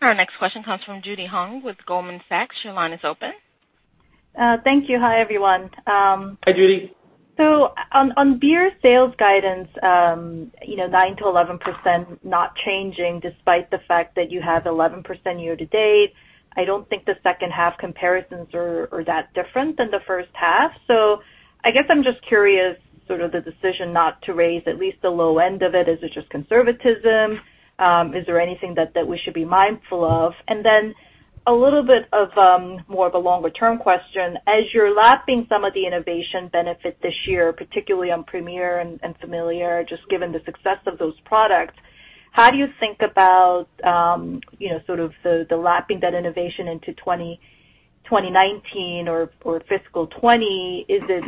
Our next question comes from Judy Hong with Goldman Sachs. Your line is open. Thank you. Hi, everyone. Hi, Judy. On beer sales guidance, 9%-11% not changing despite the fact that you have 11% year to date. I don't think the second half comparisons are that different than the first half. I guess I'm just curious, sort of the decision not to raise at least the low end of it. Is it just conservatism? Is there anything that we should be mindful of? Then a little bit of more of a longer-term question. As you're lapping some of the innovation benefit this year, particularly on Premier and Familiar, just given the success of those products, how do you think about sort of the lapping that innovation into 2019 or fiscal 2020? Is it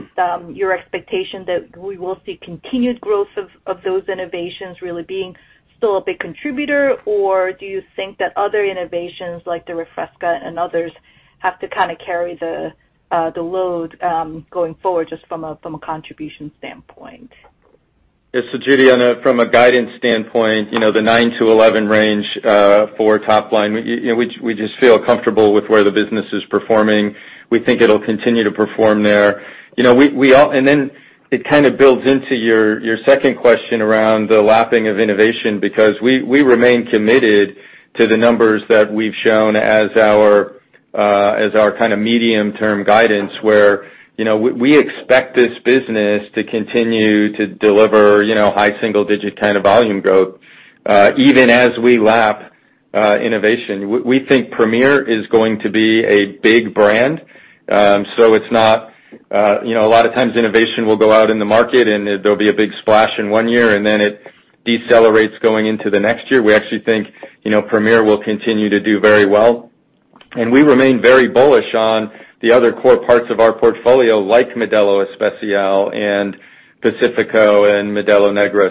your expectation that we will see continued growth of those innovations really being still a big contributor? Do you think that other innovations like the Refresca and others have to carry the load going forward just from a contribution standpoint? Yes. Judy, from a guidance standpoint, the 9%-11% range for top line, we just feel comfortable with where the business is performing. We think it'll continue to perform there. It kind of builds into your second question around the lapping of innovation because we remain committed to the numbers that we've shown as our kind of medium-term guidance, where we expect this business to continue to deliver high single digit kind of volume growth even as we lap innovation. We think Premier is going to be a big brand. A lot of times, innovation will go out in the market, and there'll be a big splash in one year, and then it decelerates going into the next year. We actually think Premier will continue to do very well, and we remain very bullish on the other core parts of our portfolio, like Modelo Especial and Pacifico and Modelo Negra.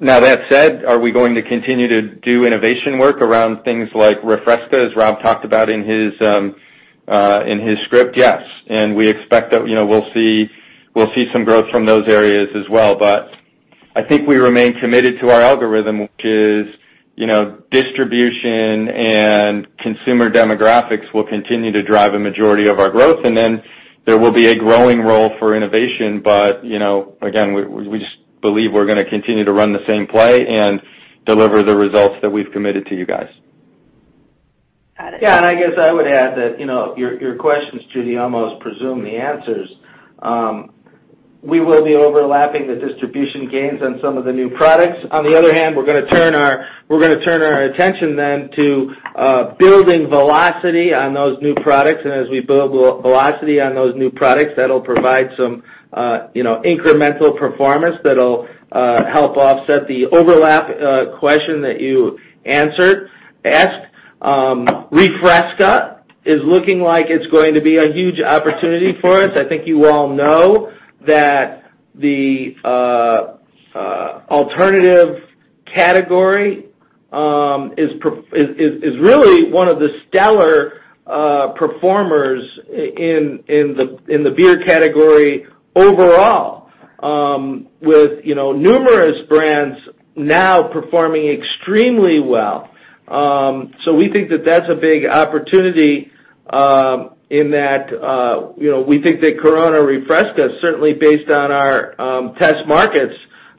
Now, that said, are we going to continue to do innovation work around things like Refresca, as Rob talked about in his script? Yes. We expect that we'll see some growth from those areas as well. I think we remain committed to our algorithm, which is distribution and consumer demographics will continue to drive a majority of our growth, and then there will be a growing role for innovation. Again, we just believe we're going to continue to run the same play and deliver the results that we've committed to you guys. Got it. I guess I would add that your questions, Judy, almost presume the answers. We will be overlapping the distribution gains on some of the new products. We're going to turn our attention then to building velocity on those new products. As we build velocity on those new products, that'll provide some incremental performance that'll help offset the overlap question that you asked. Corona Refresca is looking like it's going to be a huge opportunity for us. I think you all know that the alternative category is really one of the stellar performers in the beer category overall with numerous brands now performing extremely well. We think that that's a big opportunity in that we think that Corona Refresca, certainly based on our test markets,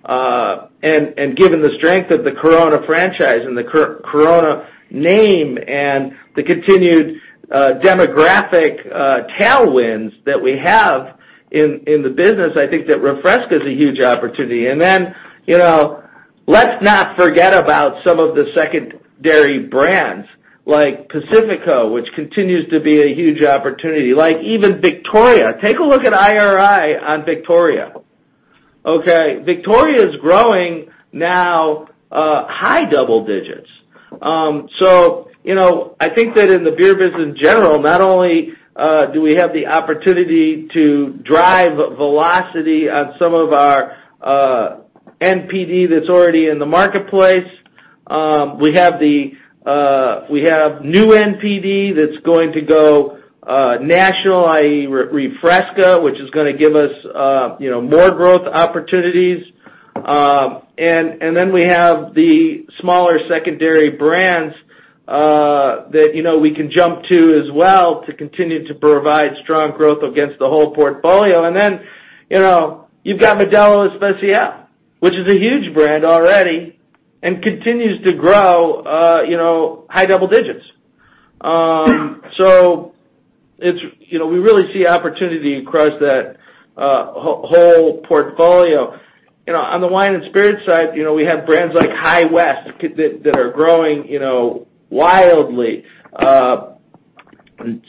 given the strength of the Corona franchise and the Corona name and the continued demographic tailwinds that we have in the business, I think that Corona Refresca is a huge opportunity. Let's not forget about some of the secondary brands like Pacifico, which continues to be a huge opportunity, like even Victoria. Take a look at IRI on Victoria. Victoria is growing now high double digits. I think that in the beer business in general, not only do we have the opportunity to drive velocity on some of our NPD that's already in the marketplace, we have new NPD that's going to go national, i.e., Corona Refresca, which is going to give us more growth opportunities. We have the smaller secondary brands that we can jump to as well to continue to provide strong growth against the whole portfolio. You've got Modelo Especial, which is a huge brand already and continues to grow high double digits. We really see opportunity across that whole portfolio. On the wine and spirits side, we have brands like High West that are growing wildly.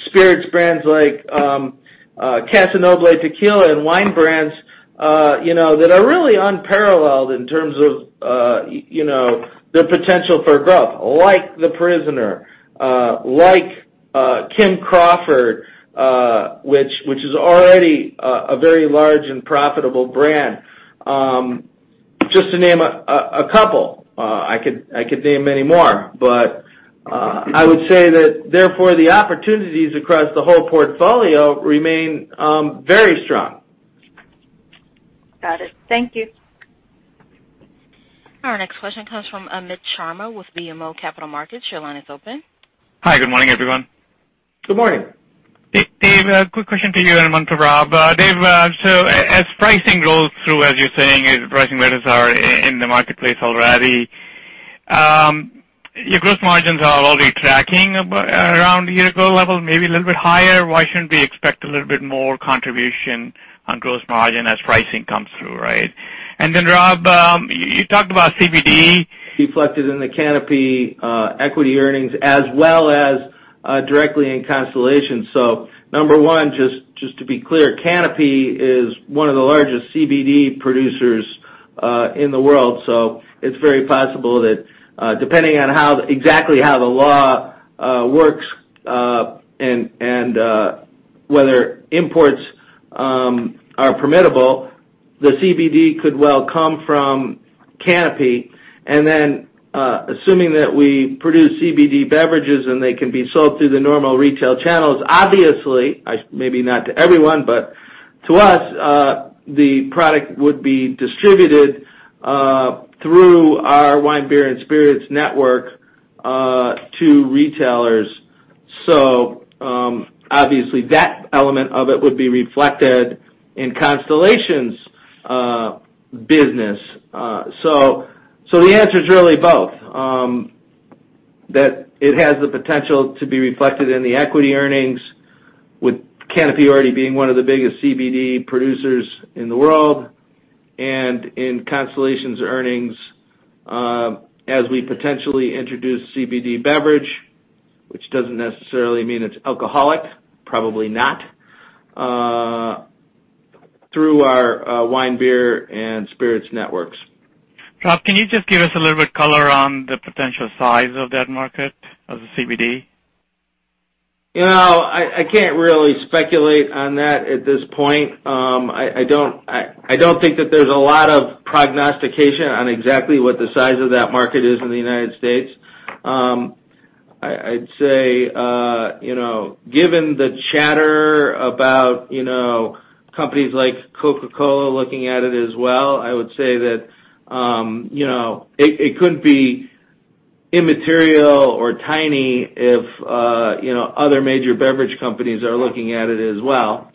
Spirits brands like Casa Noble Tequila, and wine brands that are really unparalleled in terms of their potential for growth, like The Prisoner, like Kim Crawford, which is already a very large and profitable brand, just to name a couple. I could name many more. I would say that, therefore, the opportunities across the whole portfolio remain very strong. Got it. Thank you. Our next question comes from Amit Sharma with BMO Capital Markets. Your line is open. Hi. Good morning, everyone. Good morning. Dave, as pricing rolls through, as you're saying, pricing rates are in the marketplace already. Your gross margins are already tracking around year-ago level, maybe a little bit higher. Why shouldn't we expect a little bit more contribution on gross margin as pricing comes through, right? Rob, you talked about CBD. [inaudible] Reflected in the Canopy equity earnings as well as directly in Constellation. Number one, just to be clear, Canopy is one of the largest CBD producers in the world. It's very possible that depending on exactly how the law works, and whether imports are permittable, the CBD could well come from Canopy. Assuming that we produce CBD beverages and they can be sold through the normal retail channels, obviously, maybe not to everyone, but to us, the product would be distributed through our wine, beer, and spirits network to retailers. Obviously, that element of it would be reflected in Constellation's business. The answer is really both, that it has the potential to be reflected in the equity earnings with Canopy already being one of the biggest CBD producers in the world and in Constellation's earnings, as we potentially introduce CBD beverage, which doesn't necessarily mean it's alcoholic, probably not, through our wine, beer, and spirits networks. Rob, can you just give us a little bit color on the potential size of that market, of the CBD? I can't really speculate on that at this point. I don't think that there's a lot of prognostication on exactly what the size of that market is in the U.S. I'd say, given the chatter about companies like Coca-Cola looking at it as well, I would say that it could be immaterial or tiny if other major beverage companies are looking at it as well.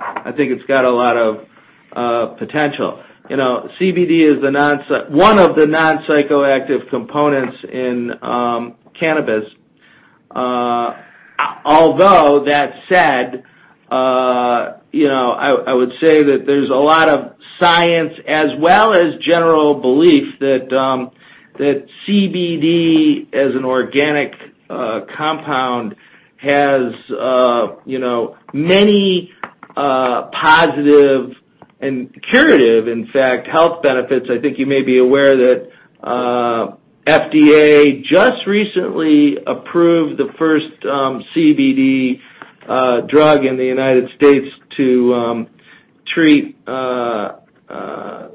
I think it's got a lot of potential. CBD is one of the non-psychoactive components in cannabis. Although that said, I would say that there's a lot of science as well as general belief that CBD as an organic compound has many positive and curative, in fact, health benefits. I think you may be aware that FDA just recently approved the first CBD drug in the U.S. to treat childhood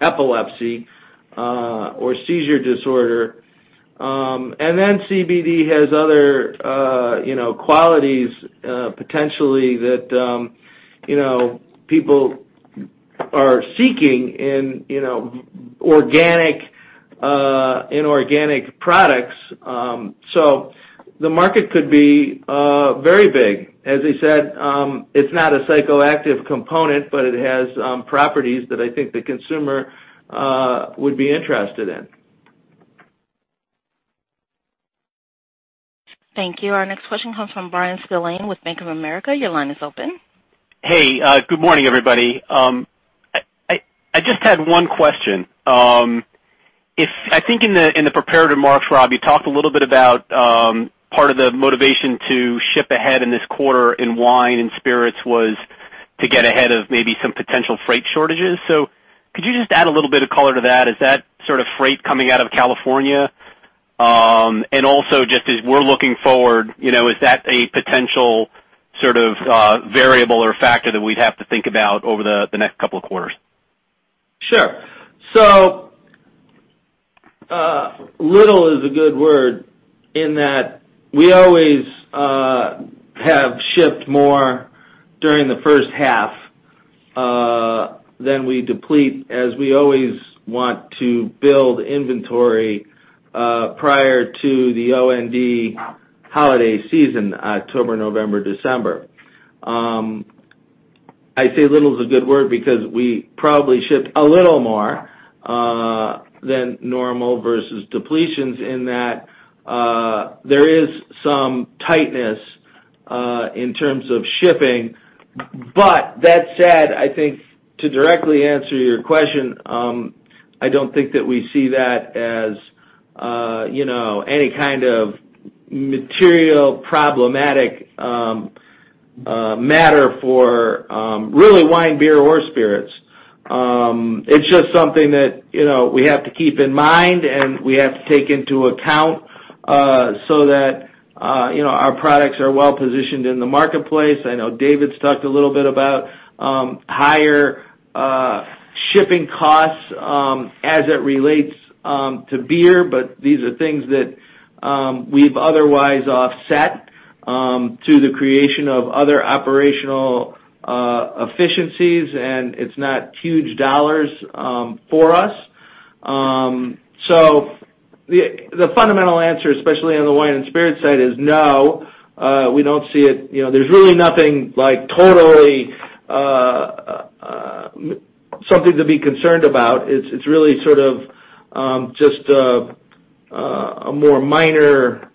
epilepsy or seizure disorder. CBD has other qualities, potentially, that people are seeking in organic products. The market could be very big. As I said, it's not a psychoactive component, but it has properties that I think the consumer would be interested in. Thank you. Our next question comes from Bryan Spillane with Bank of America. Your line is open. Hey, good morning, everybody. I just had one question. I think in the prepared remarks, Rob, you talked a little bit about part of the motivation to ship ahead in this quarter in wine and spirits was to get ahead of maybe some potential freight shortages. Could you just add a little bit of color to that? Is that freight coming out of California? Also, just as we're looking forward, is that a potential variable or factor that we'd have to think about over the next couple of quarters? Sure. Little is a good word in that we always have shipped more during the first half than we deplete, as we always want to build inventory prior to the OND holiday season, October, November, December. I say little is a good word because we probably shipped a little more than normal versus depletions in that there is some tightness in terms of shipping. That said, I think to directly answer your question, I don't think that we see that as any kind of material problematic matter for really wine, beer, or spirits. It's just something that we have to keep in mind, and we have to take into account so that our products are well-positioned in the marketplace. I know David's talked a little bit about higher shipping costs as it relates to beer, but these are things that we've otherwise offset through the creation of other operational efficiencies, and it's not huge dollars for us. The fundamental answer, especially on the wine and spirit side, is no, we don't see it. There's really nothing totally something to be concerned about. It's really sort of just a more minor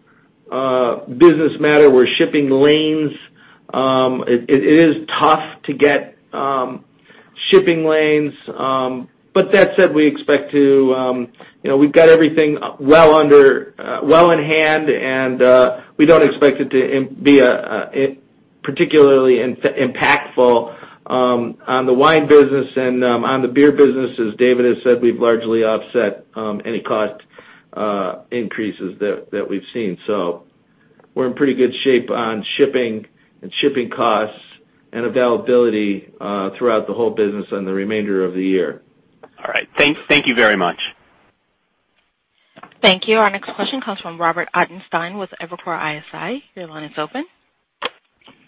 business matter where shipping lanes. It is tough to get shipping lanes. That said, we've got everything well in hand, and we don't expect it to be particularly impactful on the wine business and on the beer business. As David has said, we've largely offset any cost increases that we've seen. We're in pretty good shape on shipping and shipping costs and availability throughout the whole business and the remainder of the year. All right. Thank you very much. Thank you. Our next question comes from Robert Ottenstein with Evercore ISI. Your line is open.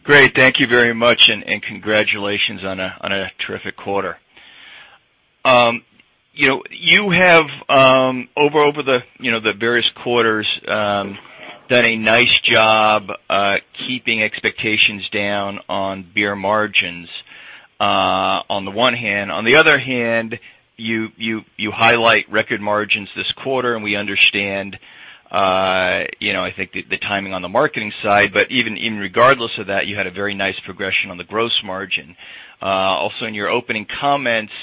Great. Thank you very much, and congratulations on a terrific quarter. You have, over the various quarters, done a nice job keeping expectations down on beer margins on the one hand. On the other hand, you highlight record margins this quarter, and we understand, I think the timing on the marketing side. Even regardless of that, you had a very nice progression on the gross margin. Also, in your opening comments,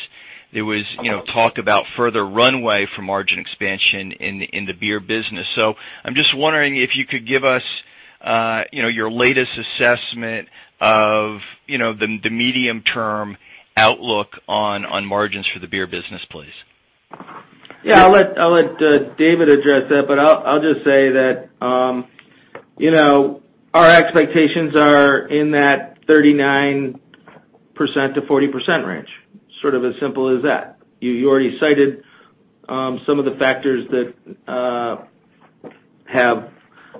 there was talk about further runway for margin expansion in the beer business. I'm just wondering if you could give us your latest assessment of the medium-term outlook on margins for the beer business, please. Yeah, I'll let David address that, I'll just say that our expectations are in that 39%-40% range, sort of as simple as that. You already cited some of the factors that have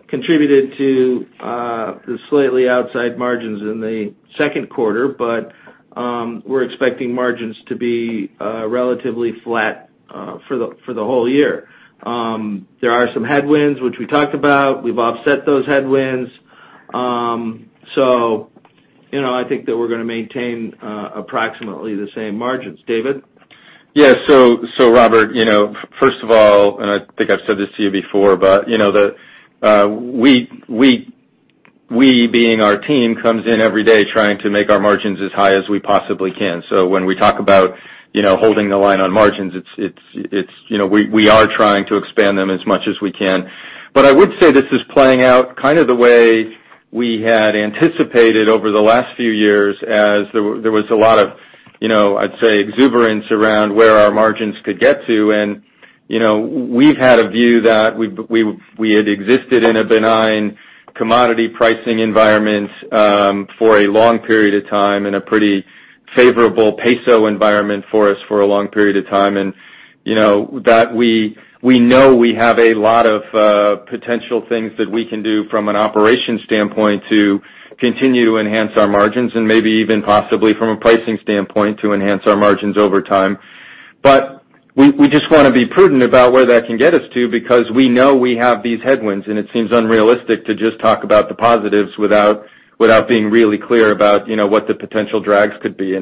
contributed to the slightly outsized margins in the second quarter, we're expecting margins to be relatively flat for the whole year. There are some headwinds, which we talked about. We've offset those headwinds. I think that we're going to maintain approximately the same margins. David? Yeah. Robert, first of all, I think I've said this to you before, we, being our team, comes in every day trying to make our margins as high as we possibly can. When we talk about holding the line on margins, we are trying to expand them as much as we can. I would say this is playing out kind of the way we had anticipated over the last few years as there was a lot of, I'd say, exuberance around where our margins could get to. We've had a view that we had existed in a benign commodity pricing environment for a long period of time, in a pretty favorable peso environment for us for a long period of time. We know we have a lot of potential things that we can do from an operations standpoint to continue to enhance our margins and maybe even possibly from a pricing standpoint to enhance our margins over time. We just want to be prudent about where that can get us to because we know we have these headwinds, it seems unrealistic to just talk about the positives without being really clear about what the potential drags could be.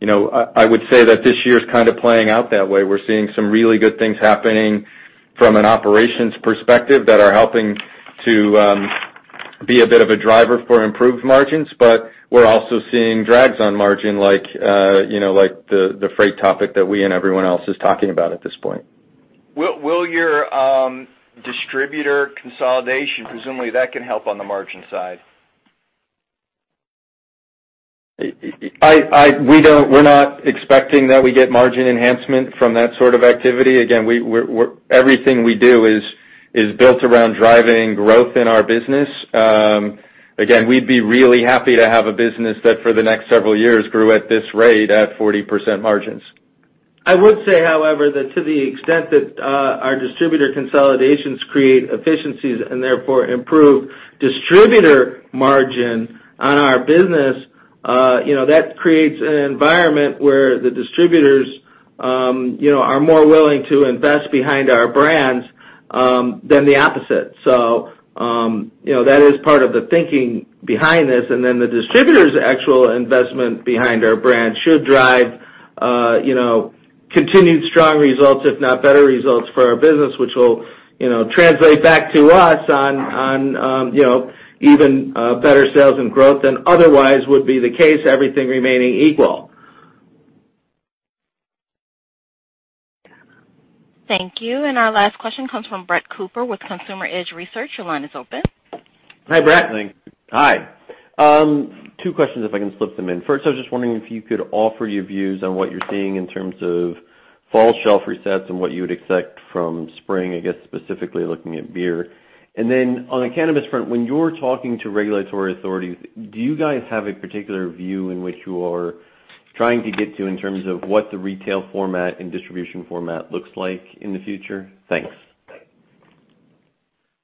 I would say that this year's kind of playing out that way. We're seeing some really good things happening from an operations perspective that are helping to be a bit of a driver for improved margins. We're also seeing drags on margin like the freight topic that we and everyone else is talking about at this point. Will your distributor consolidation, presumably that can help on the margin side? We're not expecting that we get margin enhancement from that sort of activity. Everything we do is built around driving growth in our business. We'd be really happy to have a business that for the next several years grew at this rate at 40% margins. I would say, however, that to the extent that our distributor consolidations create efficiencies and therefore improve distributor margin on our business, that creates an environment where the distributors are more willing to invest behind our brands than the opposite. That is part of the thinking behind this. The distributor's actual investment behind our brand should drive continued strong results, if not better results for our business, which will translate back to us on even better sales and growth than otherwise would be the case, everything remaining equal. Thank you. Our last question comes from Brett Cooper with Consumer Edge Research. Your line is open. Hi, Brett. Thanks. Hi. Two questions, if I can slip them in. First, I was just wondering if you could offer your views on what you're seeing in terms of fall shelf resets and what you would expect from spring, I guess, specifically looking at beer. On the cannabis front, when you're talking to regulatory authorities, do you guys have a particular view in which you are trying to get to in terms of what the retail format and distribution format looks like in the future? Thanks.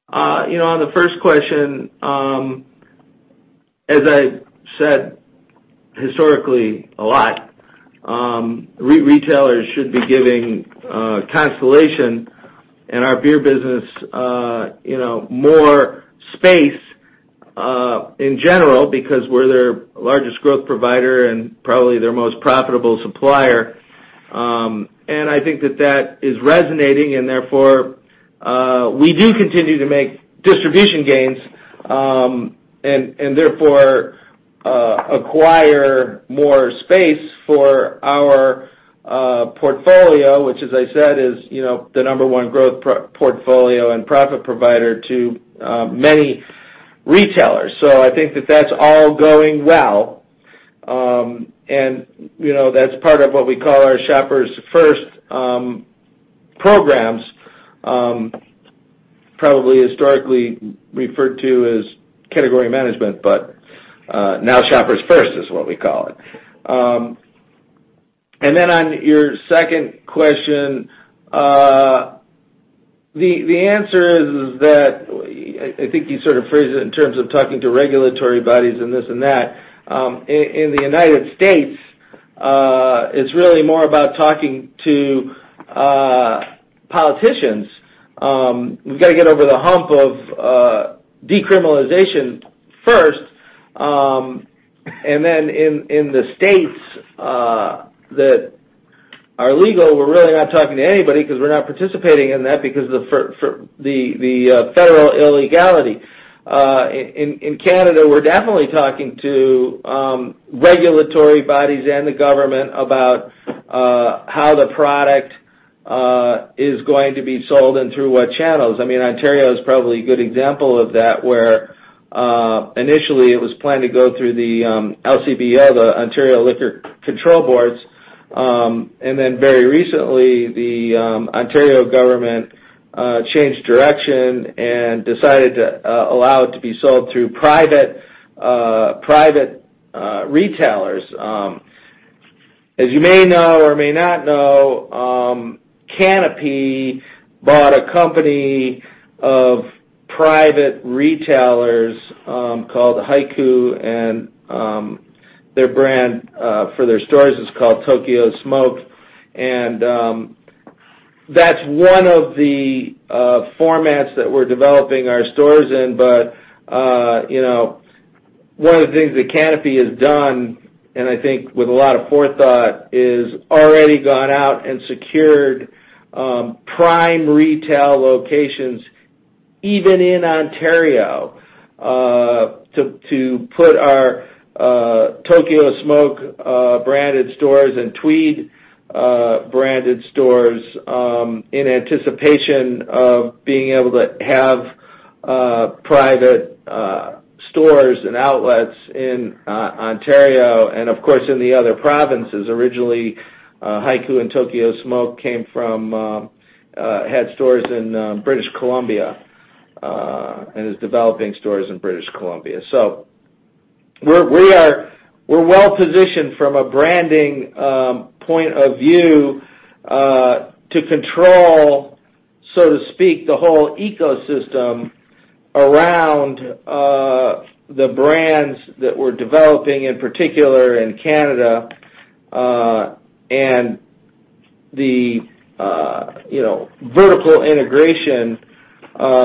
On the first question, as I said historically, retailers should be giving Constellation and our beer business more space in general because we're their largest growth provider and probably their most profitable supplier. I think that that is resonating, and therefore we do continue to make distribution gains, and therefore acquire more space for our portfolio, which as I said, is the number 1 growth portfolio and profit provider to many retailers. I think that that's all going well. That's part of what we call our Shoppers First programs, probably historically referred to as category management, but now Shoppers First is what we call it. On your second question. The answer is that I think you sort of phrased it in terms of talking to regulatory bodies and this and that. In the U.S., it's really more about talking to politicians. We've got to get over the hump of decriminalization first. In the states that are legal, we're really not talking to anybody because we're not participating in that because of the federal illegality. In Canada, we're definitely talking to regulatory bodies and the government about how the product is going to be sold and through what channels. Ontario is probably a good example of that, where initially it was planned to go through the LCBO, the Ontario Liquor Control Boards. Very recently, the Ontario government changed direction and decided to allow it to be sold through private retailers. As you may know or may not know, Canopy bought a company of private retailers called Hiku, and their brand for their stores is called Tokyo Smoke. That's one of the formats that we're developing our stores in. One of the things that Canopy has done, and I think with a lot of forethought, is already gone out and secured prime retail locations, even in Ontario, to put our Tokyo Smoke branded stores and Tweed branded stores in anticipation of being able to have private stores and outlets in Ontario and of course, in the other provinces. Originally, Hiku and Tokyo Smoke had stores in British Columbia, and is developing stores in British Columbia. We're well-positioned from a branding point of view to control, so to speak, the whole ecosystem around the brands that we're developing, in particular in Canada, and the vertical integration,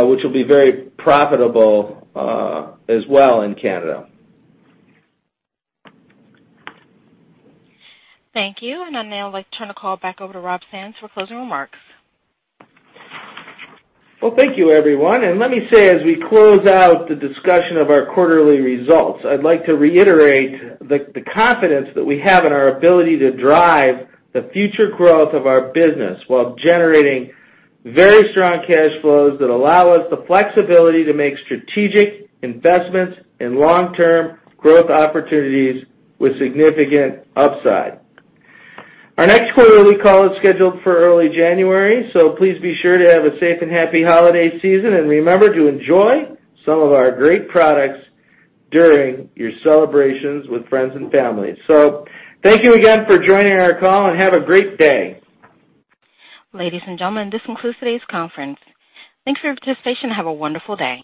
which will be very profitable as well in Canada. Thank you. I'd now like to turn the call back over to Rob Sands for closing remarks. Well, thank you, everyone. Let me say, as we close out the discussion of our quarterly results, I'd like to reiterate the confidence that we have in our ability to drive the future growth of our business while generating very strong cash flows that allow us the flexibility to make strategic investments in long-term growth opportunities with significant upside. Our next quarterly call is scheduled for early January, please be sure to have a safe and happy holiday season, and remember to enjoy some of our great products during your celebrations with friends and family. Thank you again for joining our call, and have a great day. Ladies and gentlemen, this concludes today's conference. Thanks for your participation and have a wonderful day.